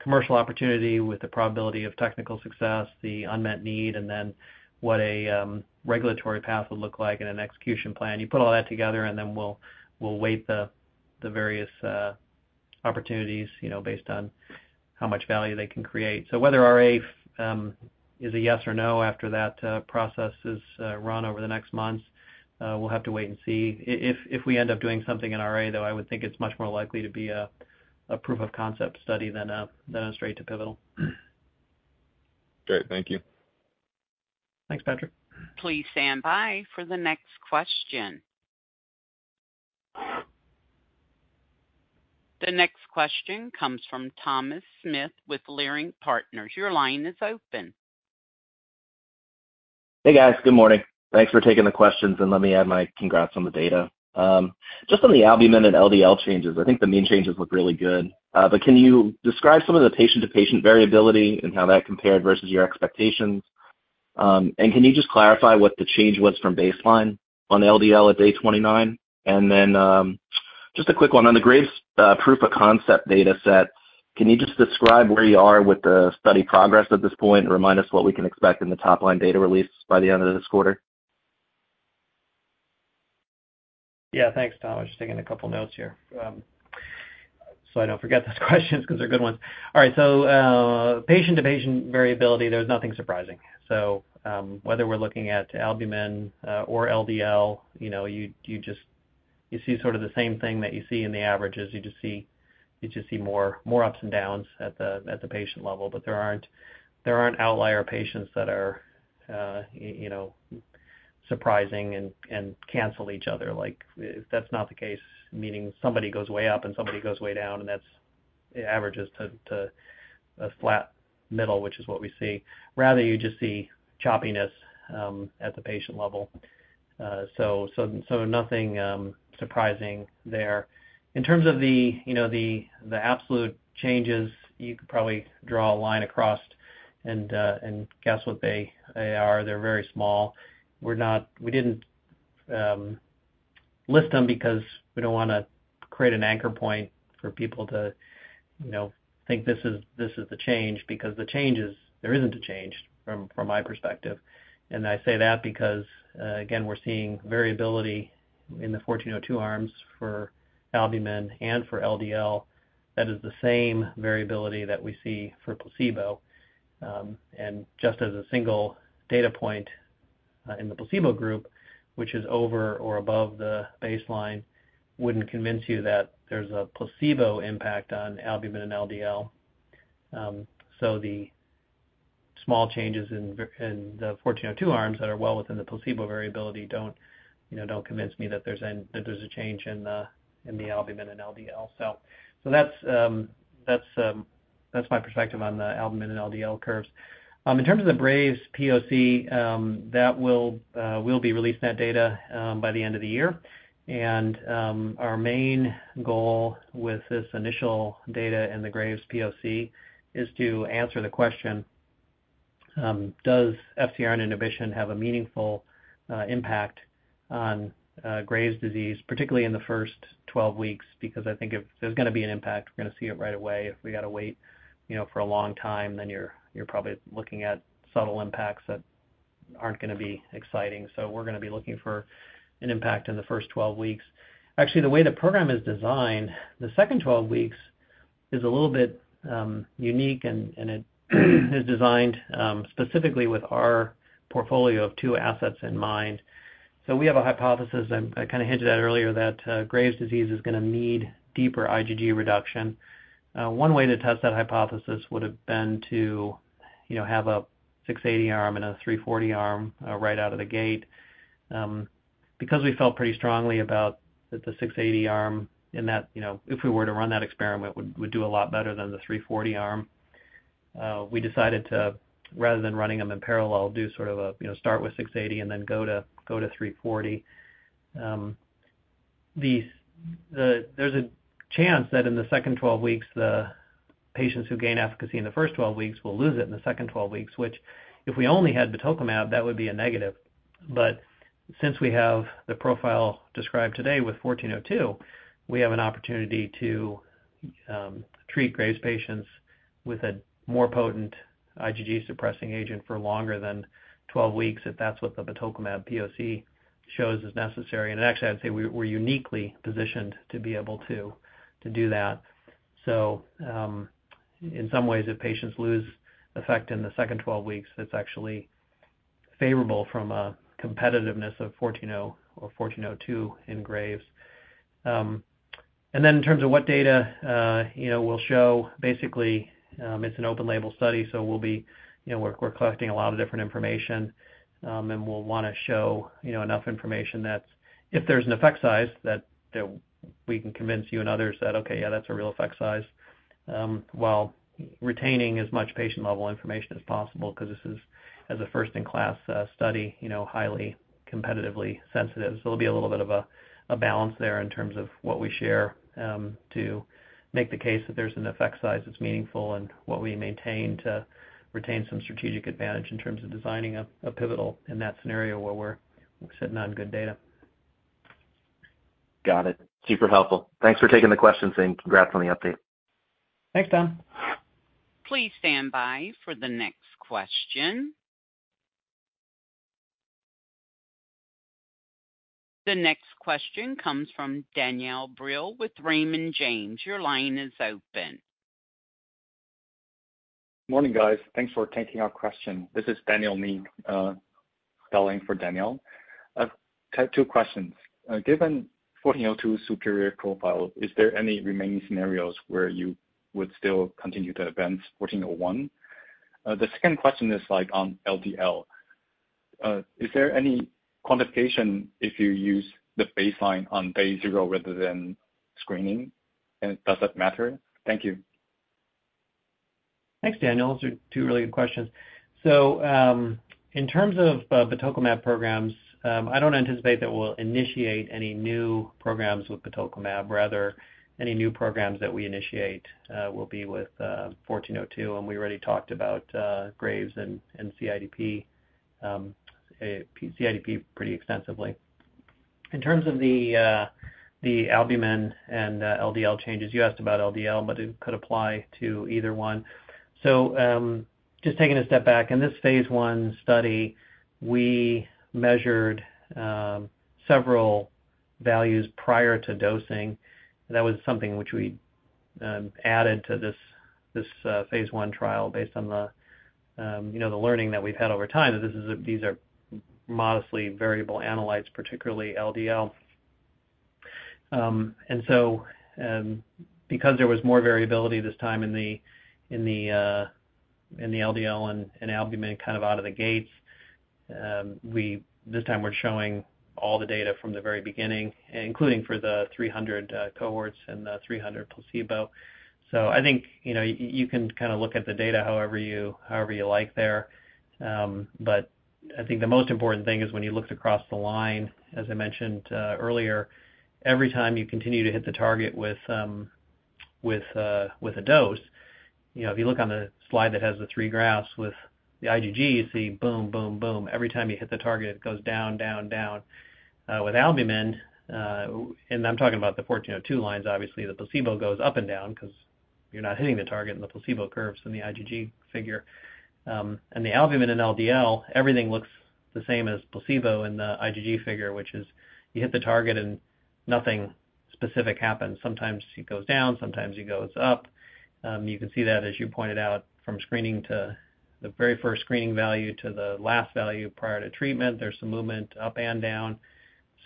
commercial opportunity with the probability of technical success, the unmet need, and then what a regulatory path would look like in an execution plan. You put all that together, and then we'll weight the various opportunities, you know, based on how much value they can create. So whether RA is a yes or no after that process is run over the next months, we'll have to wait and see. If we end up doing something in RA, though, I would think it's much more likely to be a proof of concept study than a straight to pivotal. Great. Thank you. Thanks, Patrick. Please stand by for the next question. The next question comes from Thomas Smith with Leerink Partners. Your line is open. Hey, guys. Good morning. Thanks for taking the questions, and let me add my congrats on the data. Just on the albumin and LDL changes, I think the mean changes look really good. But can you describe some of the patient-to-patient variability and how that compared versus your expectations? And can you just clarify what the change was from baseline on LDL at day 29? And then, just a quick one. On the Graves' proof of concept data set, can you just describe where you are with the study progress at this point, and remind us what we can expect in the top-line data release by the end of this quarter? Yeah. Thanks, Thomas. Just taking a couple notes here, so I don't forget those questions because they're good ones. All right, so patient-to-patient variability, there's nothing surprising. So, whether we're looking at albumin or LDL, you know, you just see sort of the same thing that you see in the averages. You just see more ups and downs at the patient level, but there aren't outlier patients that are, you know, surprising and cancel each other. Like, that's not the case, meaning somebody goes way up and somebody goes way down, and that averages to a flat middle, which is what we see. Rather, you just see choppiness at the patient level. So nothing surprising there. In terms of the, you know, absolute changes, you could probably draw a line across and guess what they are. They're very small. We're not - we didn't list them because we don't wanna create an anchor point for people to, you know, think this is the change, because the changes, there isn't a change from my perspective. And I say that because, again, we're seeing variability in the 1402 arms for albumin and for LDL. That is the same variability that we see for placebo. And just as a single data point, in the placebo group, which is over or above the baseline, wouldn't convince you that there's a placebo impact on albumin and LDL. So the small changes in the 1402 arms that are well within the placebo variability don't, you know, don't convince me that there's an, that there's a change in the, in the albumin and LDL. So that's my perspective on the albumin and LDL curves. In terms of the Graves POC, that will, we'll be releasing that data by the end of the year. And our main goal with this initial data in the Graves POC is to answer the question, does FcRn inhibition have a meaningful impact on Graves' disease, particularly in the first 12 weeks? Because I think if there's gonna be an impact, we're gonna see it right away. If we got to wait, you know, for a long time, then you're probably looking at subtle impacts that aren't gonna be exciting. So we're gonna be looking for an impact in the first 12 weeks. Actually, the way the program is designed, the second 12 weeks is a little bit unique and it is designed specifically with our portfolio of two assets in mind. So we have a hypothesis, and I kind of hinted at earlier, that Graves' disease is gonna need deeper IgG reduction. One way to test that hypothesis would have been to, you know, have a 680 arm and a 340 arm right out of the gate. Because we felt pretty strongly about that the 680 arm, in that, you know, if we were to run that experiment, would do a lot better than the 340 arm, we decided to, rather than running them in parallel, do sort of a, you know, start with 680 and then go to, go to 340. The there's a chance that in the second 12 weeks, the patients who gain efficacy in the first 12 weeks will lose it in the second 12 weeks, which, if we only had batoclimab, that would be a negative. But since we have the profile described today with 1402, we have an opportunity to treat Graves patients with a more potent IgG suppressing agent for longer than 12 weeks, if that's what the batoclimab POC shows is necessary. Actually, I'd say we're uniquely positioned to be able to do that. So, in some ways, if patients lose effect in the second 12 weeks, that's actually favorable from a competitiveness of 140 or 1402 in Graves. And then in terms of what data, you know, we'll show, basically, it's an open label study, so we'll be, you know, we're collecting a lot of different information, and we'll wanna show, you know, enough information that's... If there's an effect size that we can convince you and others that, okay, yeah, that's a real effect size, while retaining as much patient-level information as possible, because this is, as a first-in-class study, you know, highly competitively sensitive. So there'll be a little bit of a balance there in terms of what we share to make the case that there's an effect size that's meaningful and what we maintain to retain some strategic advantage in terms of designing a pivotal in that scenario where we're sitting on good data. Got it. Super helpful. Thanks for taking the questions, and congrats on the update. Thanks, Tom. Please stand by for the next question. The next question comes from Daniel Brill with Raymond James. Your line is open. Morning, guys. Thanks for taking our question. This is Daniel Ni, calling for Daniel. I've got two questions. Given 1402 superior profile, is there any remaining scenarios where you would still continue to advance 1401? The second question is like on LDL. Is there any quantification if you use the baseline on day zero rather than screening, and does that matter? Thank you. Thanks, Daniel. Those are two really good questions. So, in terms of batoclimab programs, I don't anticipate that we'll initiate any new programs with batoclimab. Rather, any new programs that we initiate will be with 1402, and we already talked about Graves and CIDP, CIDP pretty extensively. In terms of the albumin and the LDL changes, you asked about LDL, but it could apply to either one. So, just taking a step back, in this phase I study, we measured several values prior to dosing. That was something which we added to this phase I trial based on the, you know, the learning that we've had over time, that this is a, these are modestly variable analytes, particularly LDL. And so, because there was more variability this time in the LDL and in albumin kind of out of the gates, this time we're showing all the data from the very beginning, including for the 300 cohorts and the 300 placebo. So I think, you know, you can kind of look at the data however you like there. But I think the most important thing is when you look across the line, as I mentioned earlier, every time you continue to hit the target with a dose, you know, if you look on the slide that has the three graphs with the IgG, you see boom, boom, boom. Every time you hit the target, it goes down, down, down. With albumin, and I'm talking about the 1402 lines, obviously, the placebo goes up and down because you're not hitting the target, and the placebo curves in the IgG figure. And the albumin and LDL, everything looks the same as placebo in the IgG figure, which is you hit the target and nothing specific happens. Sometimes it goes down, sometimes it goes up. You can see that, as you pointed out, from screening to the very first screening value to the last value prior to treatment. There's some movement up and down.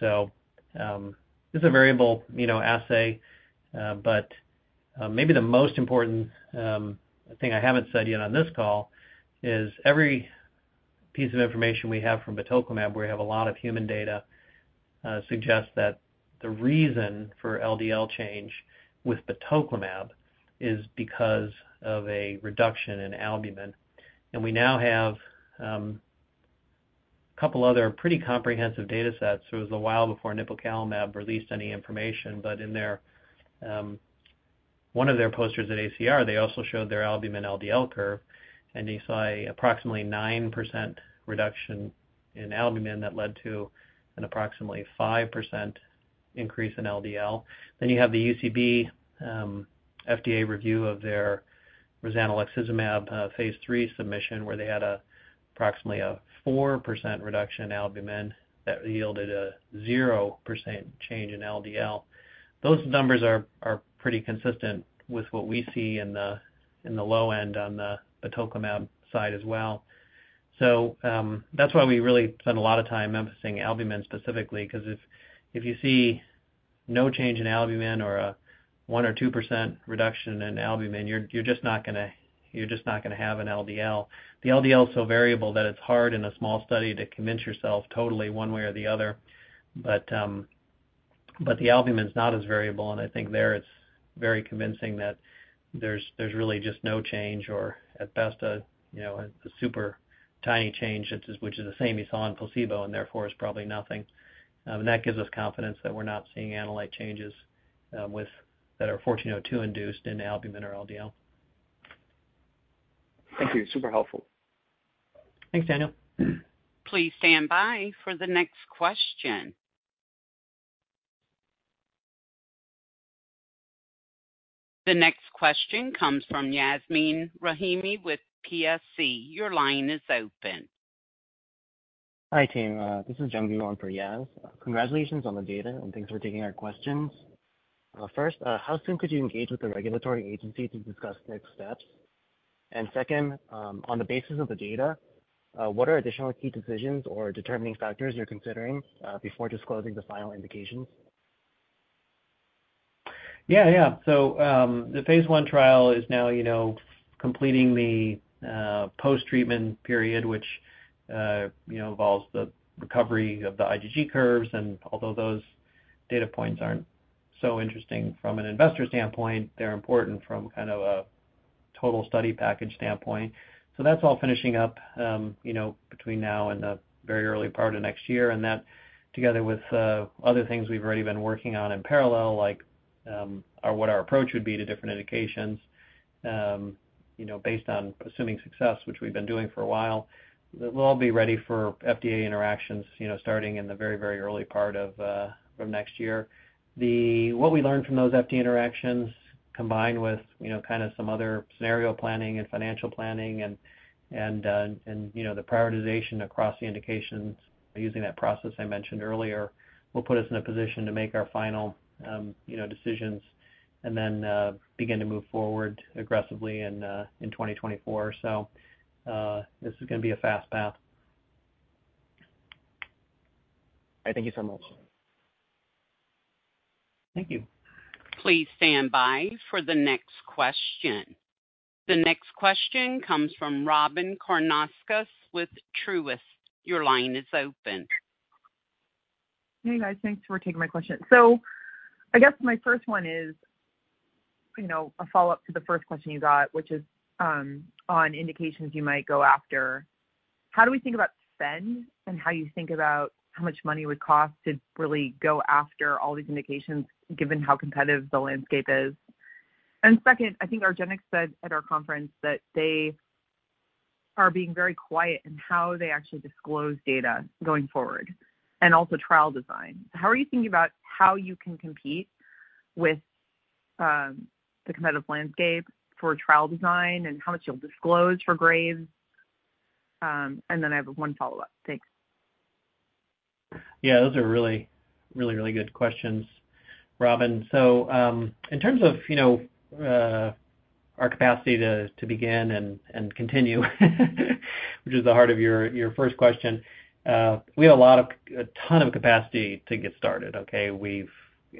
So, this is a variable, you know, assay, but maybe the most important thing I haven't said yet on this call is every piece of information we have from batoclimab, where we have a lot of human data, suggests that the reason for LDL change with batoclimab is because of a reduction in albumin. And we now have a couple other pretty comprehensive datasets. It was a while before nipocalimab released any information, but in their one of their posters at ACR, they also showed their albumin LDL curve, and you saw approximately 9% reduction in albumin that led to approximately 5% increase in LDL. Then you have the UCB FDA review of their rozanolixizumab phase III submission, where they had approximately 4% reduction in albumin that yielded 0% change in LDL. Those numbers are pretty consistent with what we see in the low end on the batoclimab side as well. So, that's why we really spend a lot of time emphasizing albumin specifically, because if you see no change in albumin or a 1% or 2% reduction in albumin, you're just not gonna have an LDL. The LDL is so variable that it's hard in a small study to convince yourself totally one way or the other. But the albumin is not as variable, and I think there it's very convincing that there's really just no change or at best a, you know, a super tiny change, which is the same you saw on placebo, and therefore is probably nothing. And that gives us confidence that we're not seeing analyte changes with... that are IMVT-1402 induced in albumin or LDL. Thank you. Super helpful. Thanks, Daniel. Please stand by for the next question. The next question comes from Yasmin Rahimi with PSC. Your line is open. Hi, team. This is Jung on for Yas. Congratulations on the data, and thanks for taking our questions. First, how soon could you engage with the regulatory agency to discuss next steps? And second, on the basis of the data, what are additional key decisions or determining factors you're considering before disclosing the final indications? Yeah, yeah. So, the phase I trial is now, you know, completing the post-treatment period, which, you know, involves the recovery of the IgG curves, and although those data points aren't so interesting from an investor standpoint, they're important from kind of a total study package standpoint. So that's all finishing up, you know, between now and the very early part of next year, and that, together with other things we've already been working on in parallel, like what our approach would be to different indications, you know, based on assuming success, which we've been doing for a while. We'll all be ready for FDA interactions, you know, starting in the very, very early part of next year. The... What we learned from those FDA interactions, combined with, you know, kind of some other scenario planning and financial planning and you know, the prioritization across the indications using that process I mentioned earlier, will put us in a position to make our final, you know, decisions and then begin to move forward aggressively in 2024. So, this is gonna be a fast path. Thank you so much. Thank you. Please stand by for the next question. The next question comes from Robyn Karnauskas with Truist. Your line is open. Hey, guys. Thanks for taking my question. So I guess my first one is, you know, a follow-up to the first question you got, which is, on indications you might go after. How do we think about spend and how you think about how much money it would cost to really go after all these indications, given how competitive the landscape is? And second, I think argenx said at our conference that they are being very quiet in how they actually disclose data going forward and also trial design. How are you thinking about how you can compete with, the competitive landscape for trial design and how much you'll disclose for Graves? And then I have one follow-up. Thanks. ... Yeah, those are really, really, really good questions, Robyn. So, in terms of, you know, our capacity to begin and continue, which is the heart of your first question, we have a lot of, a ton of capacity to get started, okay? We've,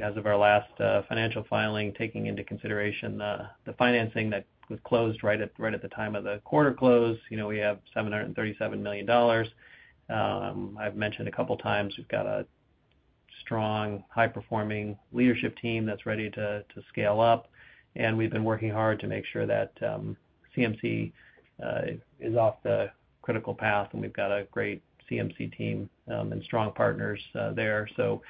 as of our last financial filing, taking into consideration the financing that was closed right at the time of the quarter close, you know, we have $737 million. I've mentioned a couple of times, we've got a strong, high-performing leadership team that's ready to scale up, and we've been working hard to make sure that CMC is off the critical path, and we've got a great CMC team, and strong partners there. So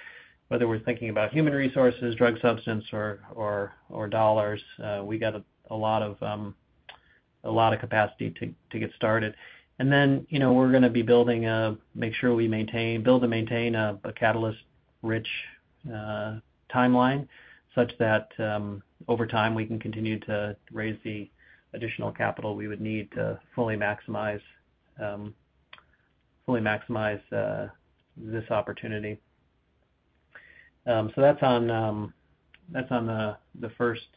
whether we're thinking about human resources, drug substance, or dollars, we got a lot of capacity to get started. And then, you know, we're going to be building and maintaining a catalyst-rich timeline, such that over time, we can continue to raise the additional capital we would need to fully maximize this opportunity. So that's on the first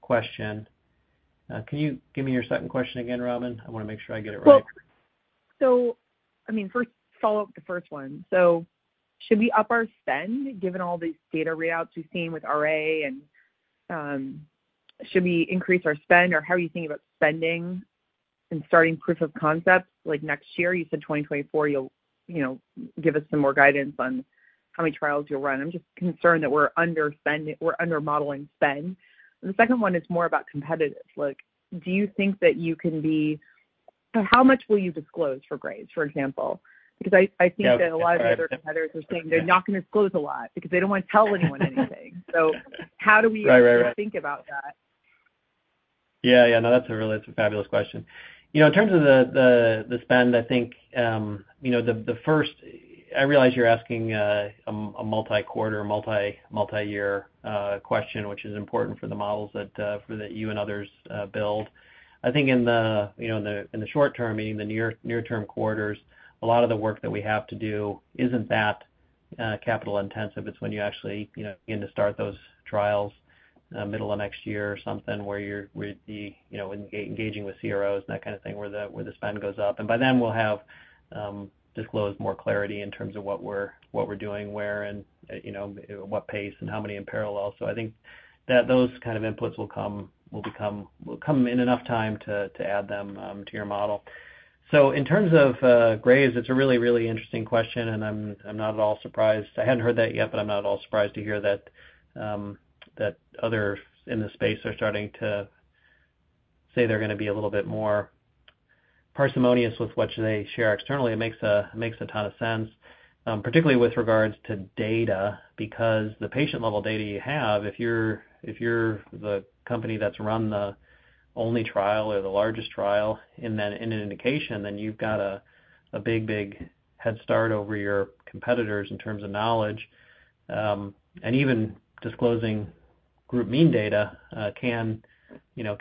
question. Can you give me your second question again, Robyn? I want to make sure I get it right. Well, so I mean, first follow up the first one. So should we up our spend, given all these data readouts we've seen with RA and, should we increase our spend, or how are you thinking about spending and starting proof of concepts like next year? You said 2024, you'll, you know, give us some more guidance on how many trials you'll run. I'm just concerned that we're underspending, we're undermodeling spend. And the second one is more about competitors. Like, do you think that you can be... So how much will you disclose for Graves, for example? Because I, I think- Got it. that a lot of other competitors are saying they're not going to disclose a lot because they don't want to tell anyone anything. So how do we- Right, right, right think about that? Yeah, yeah. No, that's a really. It's a fabulous question. You know, in terms of the spend, I think, you know, first, I realize you're asking a multi-quarter, multi-year question, which is important for the models that you and others build. I think in the short term, meaning the near-term quarters, a lot of the work that we have to do isn't that capital intensive. It's when you actually, you know, begin to start those trials, middle of next year or something, where you're engaging with CROs and that kind of thing, where the spend goes up. And by then, we'll have disclosed more clarity in terms of what we're doing, where, and, you know, what pace and how many in parallel. So I think that those kind of inputs will come in enough time to add them to your model. So in terms of Graves, it's a really, really interesting question, and I'm not at all surprised. I hadn't heard that yet, but I'm not at all surprised to hear that others in the space are starting to say they're going to be a little bit more parsimonious with what they share externally. It makes a ton of sense, particularly with regards to data, because the patient-level data you have, if you're the company that's run the only trial or the largest trial in that indication, then you've got a big head start over your competitors in terms of knowledge. And even disclosing group mean data can, you know,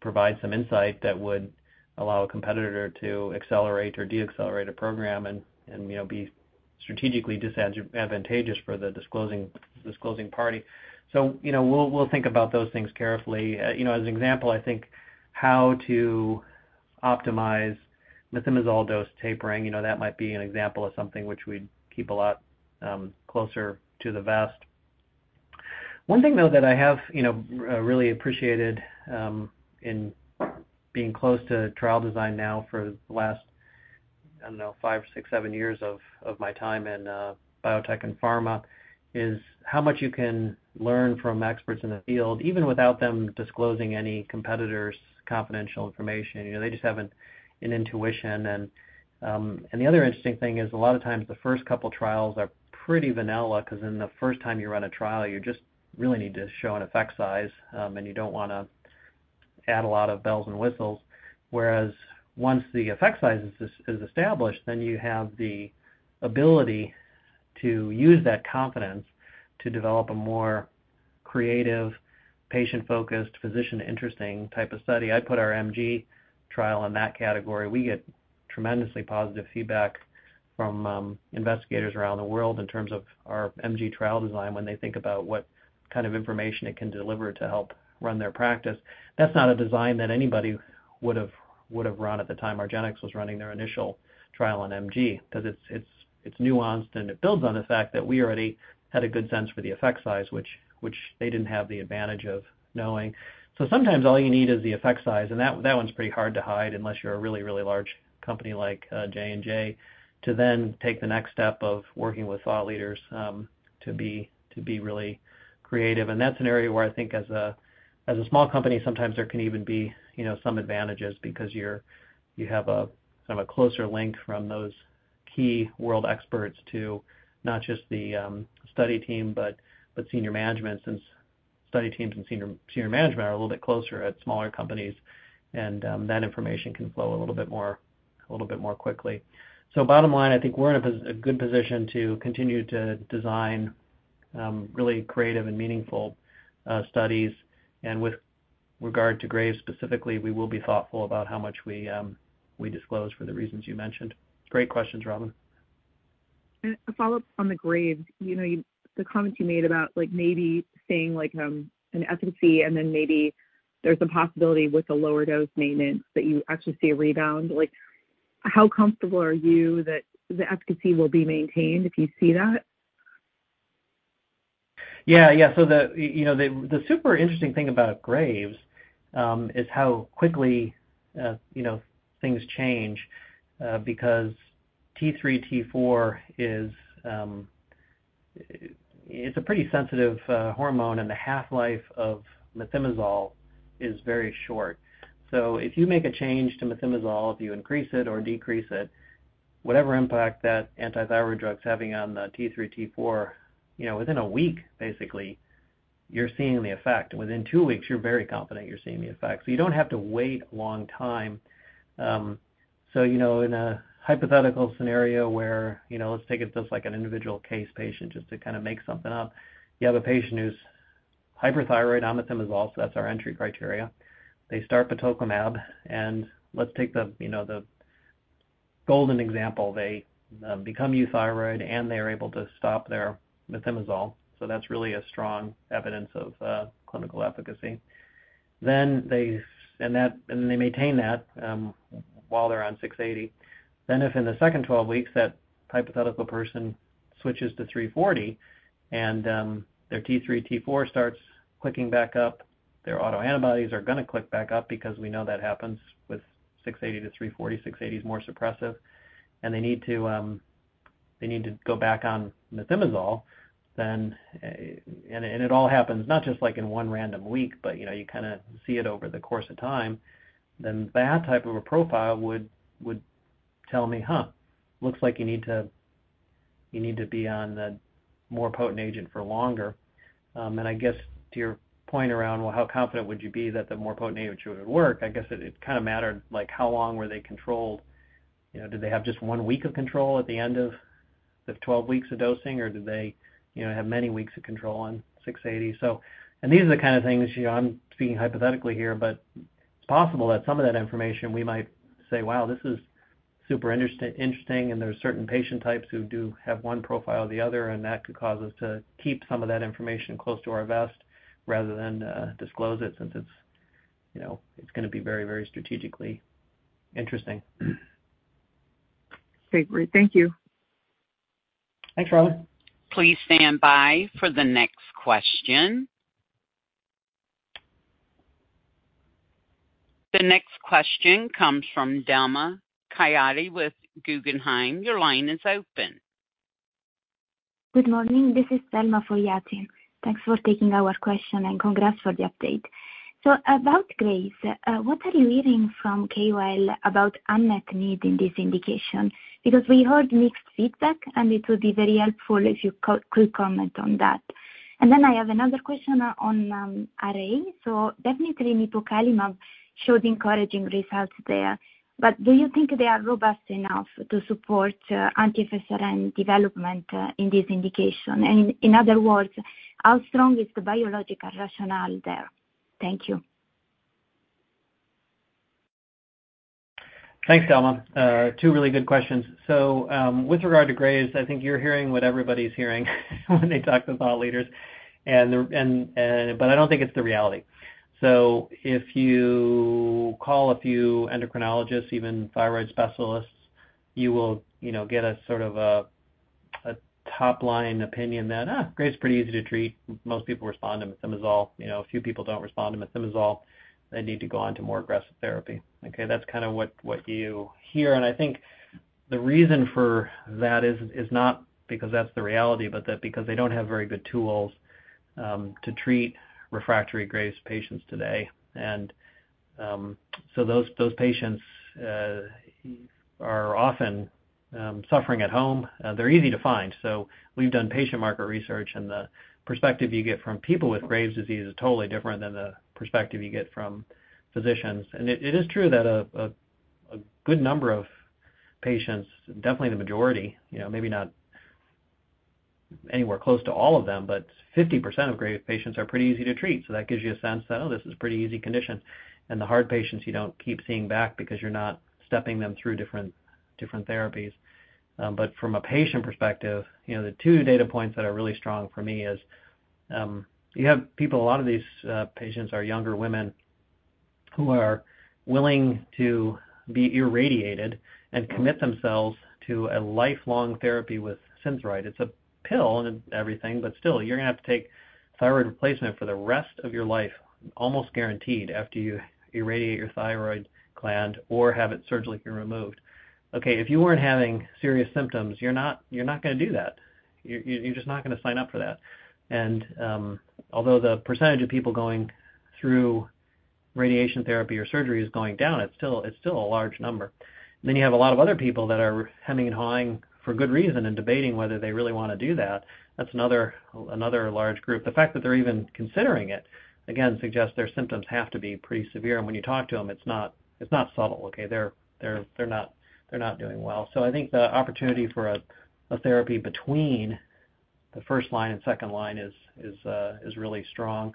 provide some insight that would allow a competitor to accelerate or decelerate a program and, you know, be strategically disadvantageous for the disclosing party. So, you know, we'll think about those things carefully. You know, as an example, I think how to optimize methimazole dose tapering, you know, that might be an example of something which we'd keep a lot closer to the vest. One thing, though, that I have, you know, really appreciated in being close to trial design now for the last, I don't know, five, six, seven years of my time in biotech and pharma, is how much you can learn from experts in the field, even without them disclosing any competitor's confidential information. You know, they just have an intuition. And the other interesting thing is a lot of times the first couple trials are pretty vanilla, because then the first time you run a trial, you just really need to show an effect size, and you don't want to add a lot of bells and whistles. Whereas once the effect size is established, then you have the ability to use that confidence to develop a more creative, patient-focused, physician-interesting type of study. I'd put our MG trial in that category. We get tremendously positive feedback from investigators around the world in terms of our MG trial design, when they think about what kind of information it can deliver to help run their practice. That's not a design that anybody would've run at the time argenx was running their initial trial on MG, because it's nuanced, and it builds on the fact that we already had a good sense for the effect size, which they didn't have the advantage of knowing. So sometimes all you need is the effect size, and that one's pretty hard to hide unless you're a really, really large company like J&J to then take the next step of working with thought leaders to be really creative. And that's an area where I think as a small company, sometimes there can even be, you know, some advantages because you have a sort of a closer link from those key world experts to not just the study team, but senior management, since study teams and senior management are a little bit closer at smaller companies, and that information can flow a little bit more quickly. So bottom line, I think we're in a good position to continue to design really creative and meaningful studies. And with regard to Graves specifically, we will be thoughtful about how much we disclose for the reasons you mentioned. Great questions, Robyn. A follow-up on the Graves. You know, the comments you made about, like, maybe seeing, like, an efficacy, and then maybe there's a possibility with a lower dose maintenance that you actually see a rebound. Like, how comfortable are you that the efficacy will be maintained if you see that? Yeah, yeah. So the, you know, the super interesting thing about Graves is how quickly, you know, things change because T3, T4 is, it's a pretty sensitive hormone, and the half-life of methimazole is very short. So if you make a change to methimazole, if you increase it or decrease it, whatever impact that antithyroid drug's having on the T3, T4, you know, within a week, basically, you're seeing the effect. Within two weeks, you're very confident you're seeing the effect. So you don't have to wait a long time. So, you know, in a hypothetical scenario where, you know, let's take it just like an individual case patient, just to kind of make something up. You have a patient who's hyperthyroid on methimazole, so that's our entry criteria. They start batoclimab, and let's take the, you know, the golden example. They become euthyroid, and they're able to stop their methimazole, so that's really a strong evidence of clinical efficacy. Then they, and that, and they maintain that while they're on 680. Then, if in the second 12 weeks, that hypothetical person switches to 340, and their T3, T4 starts clicking back up, their autoantibodies are gonna click back up because we know that happens with 680 to 340, 680 is more suppressive, and they need to, they need to go back on methimazole, then... And, and it all happens not just like in one random week, but you know, you kinda see it over the course of time. Then that type of a profile would tell me, "Huh, looks like you need to be on the more potent agent for longer." And I guess to your point around, well, how confident would you be that the more potent agent would work? I guess it kinda mattered, like, how long were they controlled? You know, did they have just one week of control at the end of the 12 weeks of dosing, or did they, you know, have many weeks of control on 680? So, and these are the kind of things, you know, I'm speaking hypothetically here, but it's possible that some of that information, we might say, "Wow, this is super interesting, interesting," and there are certain patient types who do have one profile or the other, and that could cause us to keep some of that information close to our vest rather than disclose it since it's, you know, it's gonna be very, very strategically interesting. Okay, great. Thank you. Thanks, Robyn. Please stand by for the next question. The next question comes from Delma [Kayati] with Guggenheim. Your line is open. Good morning. This is Delma [Kayati]. Thanks for taking our question, and congrats for the update. So about Graves, what are you hearing from KUL about unmet need in this indication? Because we heard mixed feedback, and it would be very helpful if you could comment on that. And then I have another question on RA. So definitely, nipocalimab showed encouraging results there. But do you think they are robust enough to support anti-FcRn development in this indication? And in other words, how strong is the biological rationale there? Thank you. Thanks, Delma. Two really good questions. So, with regard to Graves, I think you're hearing what everybody's hearing when they talk to thought leaders, and but I don't think it's the reality. So if you call a few endocrinologists, even thyroid specialists, you will, you know, get a sort of a top-line opinion that, "Ah, Graves is pretty easy to treat. Most people respond to methimazole. You know, a few people don't respond to methimazole. They need to go on to more aggressive therapy." Okay, that's kind of what you hear. And I think the reason for that is not because that's the reality, but because they don't have very good tools to treat refractory Graves patients today. And so those patients are often suffering at home. They're easy to find. So we've done patient market research, and the perspective you get from people with Graves' disease is totally different than the perspective you get from physicians. And it is true that a good number of patients, definitely the majority, you know, maybe not anywhere close to all of them, but 50% of Graves patients are pretty easy to treat. So that gives you a sense that, oh, this is a pretty easy condition. And the hard patients, you don't keep seeing back because you're not stepping them through different therapies. But from a patient perspective, you know, the two data points that are really strong for me is, you have people, a lot of these, patients are younger women who are willing to be irradiated and commit themselves to a lifelong therapy with Synthroid. It's a pill and everything, but still, you're gonna have to take thyroid replacement for the rest of your life, almost guaranteed, after you irradiate your thyroid gland or have it surgically removed. Okay, if you weren't having serious symptoms, you're not gonna do that. You're just not gonna sign up for that. And, although the percentage of people going through radiation therapy or surgery is going down, it's still a large number. Then you have a lot of other people that are hemming and hawing for good reason and debating whether they really wanna do that. That's another large group. The fact that they're even considering it, again, suggests their symptoms have to be pretty severe. And when you talk to them, it's not subtle, okay? They're not doing well. So I think the opportunity for a therapy between the first line and second line is really strong.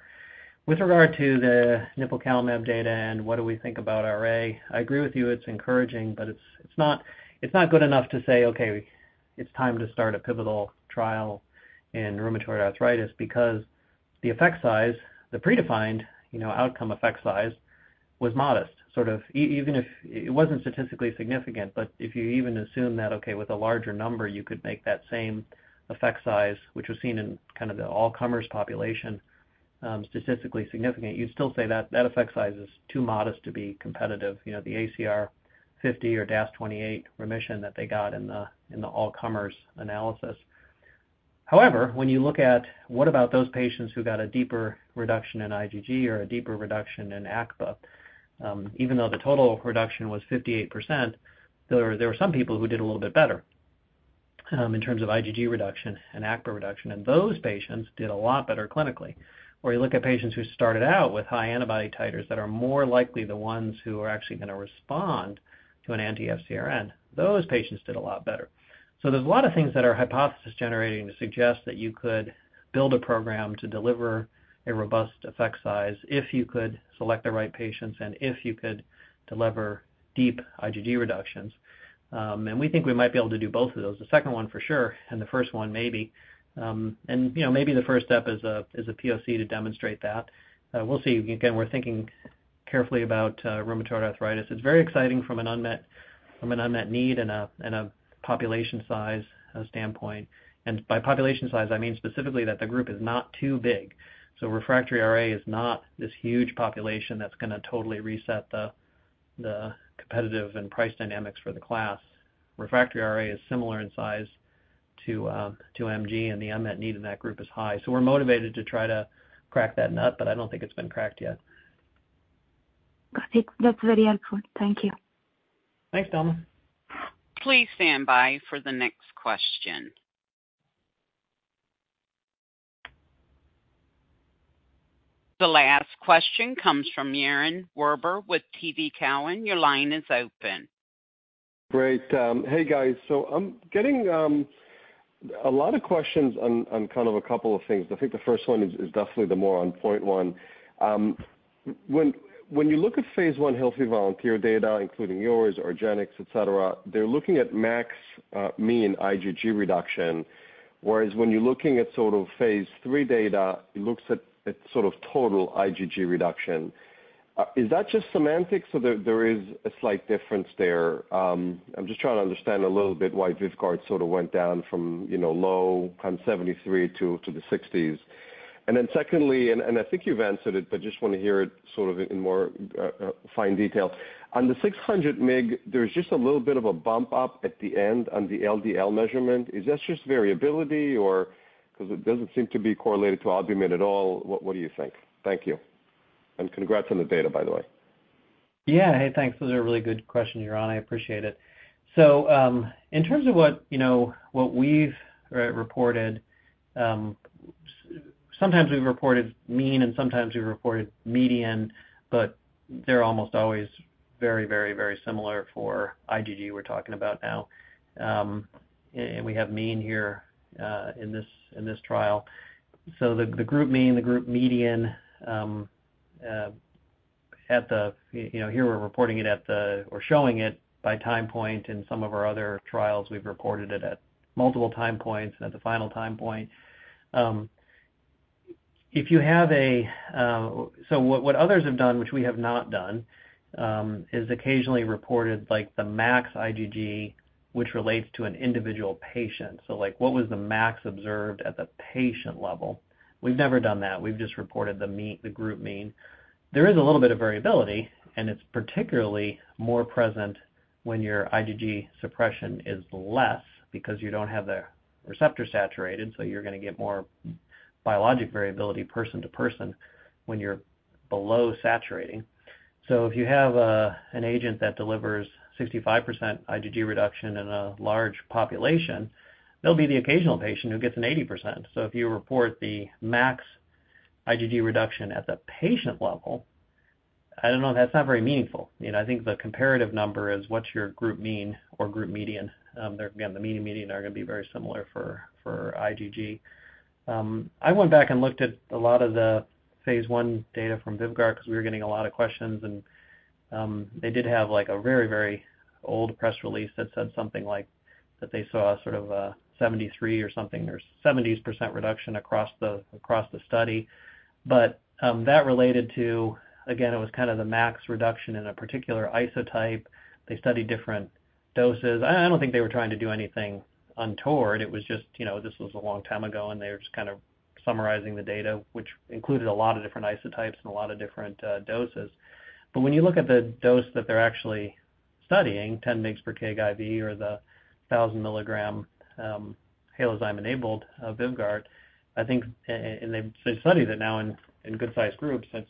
With regard to the nipocalimab data and what do we think about RA, I agree with you, it's encouraging, but it's not good enough to say, "Okay, it's time to start a pivotal trial in rheumatoid arthritis," because the effect size, the predefined, you know, outcome effect size, was modest, sort of. Even if it wasn't statistically significant, but if you even assume that, okay, with a larger number, you could make that same effect size, which was seen in kind of the all comers population, statistically significant, you'd still say that effect size is too modest to be competitive. You know, the ACR 50 or DAS 28 remission that they got in the all comers analysis. However, when you look at what about those patients who got a deeper reduction in IgG or a deeper reduction in ACPA, even though the total reduction was 58%, there were, there were some people who did a little bit better, in terms of IgG reduction and ACPA reduction. Those patients did a lot better clinically. Where you look at patients who started out with high antibody titers that are more likely the ones who are actually gonna respond to an anti-FcRn, those patients did a lot better. There's a lot of things that are hypothesis-generating to suggest that you could build a program to deliver a robust effect size if you could select the right patients and if you could deliver deep IgG reductions. We think we might be able to do both of those. The second one for sure, and the first one, maybe. And, you know, maybe the first step is a POC to demonstrate that. We'll see. Again, we're thinking carefully about rheumatoid arthritis. It's very exciting from an unmet need and a population size standpoint. And by population size, I mean specifically that the group is not too big. So refractory RA is not this huge population that's gonna totally reset the competitive and price dynamics for the class. Refractory RA is similar in size to MG, and the unmet need in that group is high. So we're motivated to try to crack that nut, but I don't think it's been cracked yet. Got it. That's very helpful. Thank you. Thanks, Delma. Please stand by for the next question. The last question comes from Yaron Werber with TD Cowen. Your line is open. Great. Hey, guys. So I'm getting a lot of questions on kind of a couple of things. I think the first one is definitely the more on point one. When you look at phase I healthy volunteer data, including yours, argenx, et cetera, they're looking at max mean IgG reduction, whereas when you're looking at sort of phase III data, it looks at sort of total IgG reduction. Is that just semantics, or there is a slight difference there? I'm just trying to understand a little bit why VYVGART sort of went down from, you know, low from 73 to the 60s. And then secondly, and I think you've answered it, but just wanna hear it sort of in more fine detail. On the 600 mg, there's just a little bit of a bump up at the end on the LDL measurement. Is that just variability or... because it doesn't seem to be correlated to albumin at all? What, what do you think? Thank you, and congrats on the data, by the way. Yeah. Hey, thanks. Those are really good questions, Yaron. I appreciate it. So, in terms of what, you know, what we've reported, sometimes we've reported mean, and sometimes we've reported median, but they're almost always very, very, very similar for IgG we're talking about now. And we have mean here, in this trial. So the group mean, the group median, at the... You know, here we're reporting it at the, or showing it by time point. In some of our other trials, we've reported it at multiple time points, and at the final time point. If you have a... So what others have done, which we have not done, is occasionally reported, like, the max IgG, which relates to an individual patient. So, like, what was the max observed at the patient level? We've never done that. We've just reported the mean, the group mean. There is a little bit of variability, and it's particularly more present when your IgG suppression is less because you don't have the receptor saturated, so you're gonna get more biologic variability person to person when you're below saturating. So if you have an agent that delivers 65% IgG reduction in a large population, there'll be the occasional patient who gets an 80%. So if you report the max IgG reduction at the patient level, I don't know, that's not very meaningful. You know, I think the comparative number is what's your group mean or group median. There, again, the mean and median are gonna be very similar for IgG. I went back and looked at a lot of the phase I data from VYVGART because we were getting a lot of questions, and, they did have, like, a very, very old press release that said something like that they saw sort of a 73% or something, or 70s% reduction across the, across the study. But, that related to, again, it was kind of the max reduction in a particular isotype. They studied different doses. I, I don't think they were trying to do anything untoward. It was just, you know, this was a long time ago, and they were just kind of summarizing the data, which included a lot of different isotypes and a lot of different, doses. But when you look at the dose that they're actually studying, 10 mg per kg IV or the 1,000 mg, halozyme-enabled, VYVGART, I think, and they've studied it now in good-sized groups, it's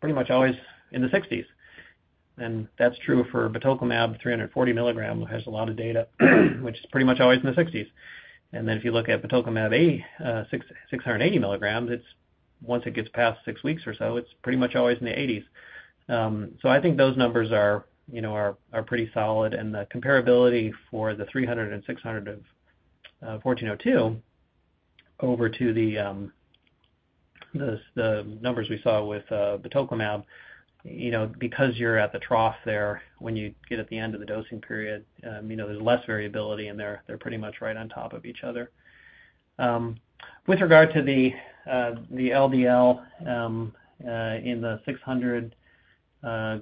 pretty much always in the sixties. And that's true for Tocilizumab, 340 mg has a lot of data, which is pretty much always in the sixties. And then if you look at Tocilizumab 680 mg, it's. Once it gets past six weeks or so, it's pretty much always in the eighties. So I think those numbers are, you know, are pretty solid, and the comparability for the 300 and 600 of 1402 over to the numbers we saw with Tocilizumab, you know, because you're at the trough there, when you get at the end of the dosing period, you know, there's less variability, and they're pretty much right on top of each other. With regard to the LDL in the 600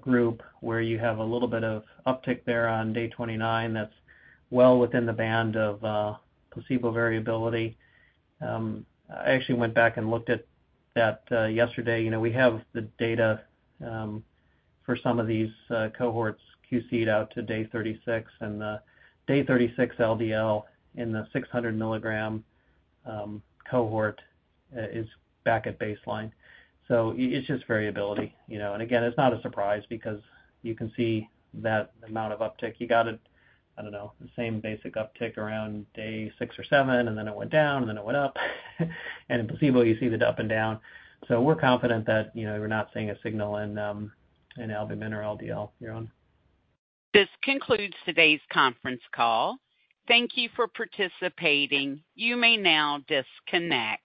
group, where you have a little bit of uptick there on day 29, that's well within the band of placebo variability. I actually went back and looked at that yesterday. You know, we have the data for some of these cohorts QC'd out to day 36, and the day 36 LDL in the 600 mg cohort is back at baseline. So it's just variability, you know. And again, it's not a surprise because you can see that amount of uptick. You got a, I don't know, the same basic uptick around day six or seven, and then it went down, and then it went up. And in placebo, you see the up and down. So we're confident that, you know, we're not seeing a signal in albumin or LDL, Yaron. This concludes today's conference call. Thank you for participating. You may now disconnect.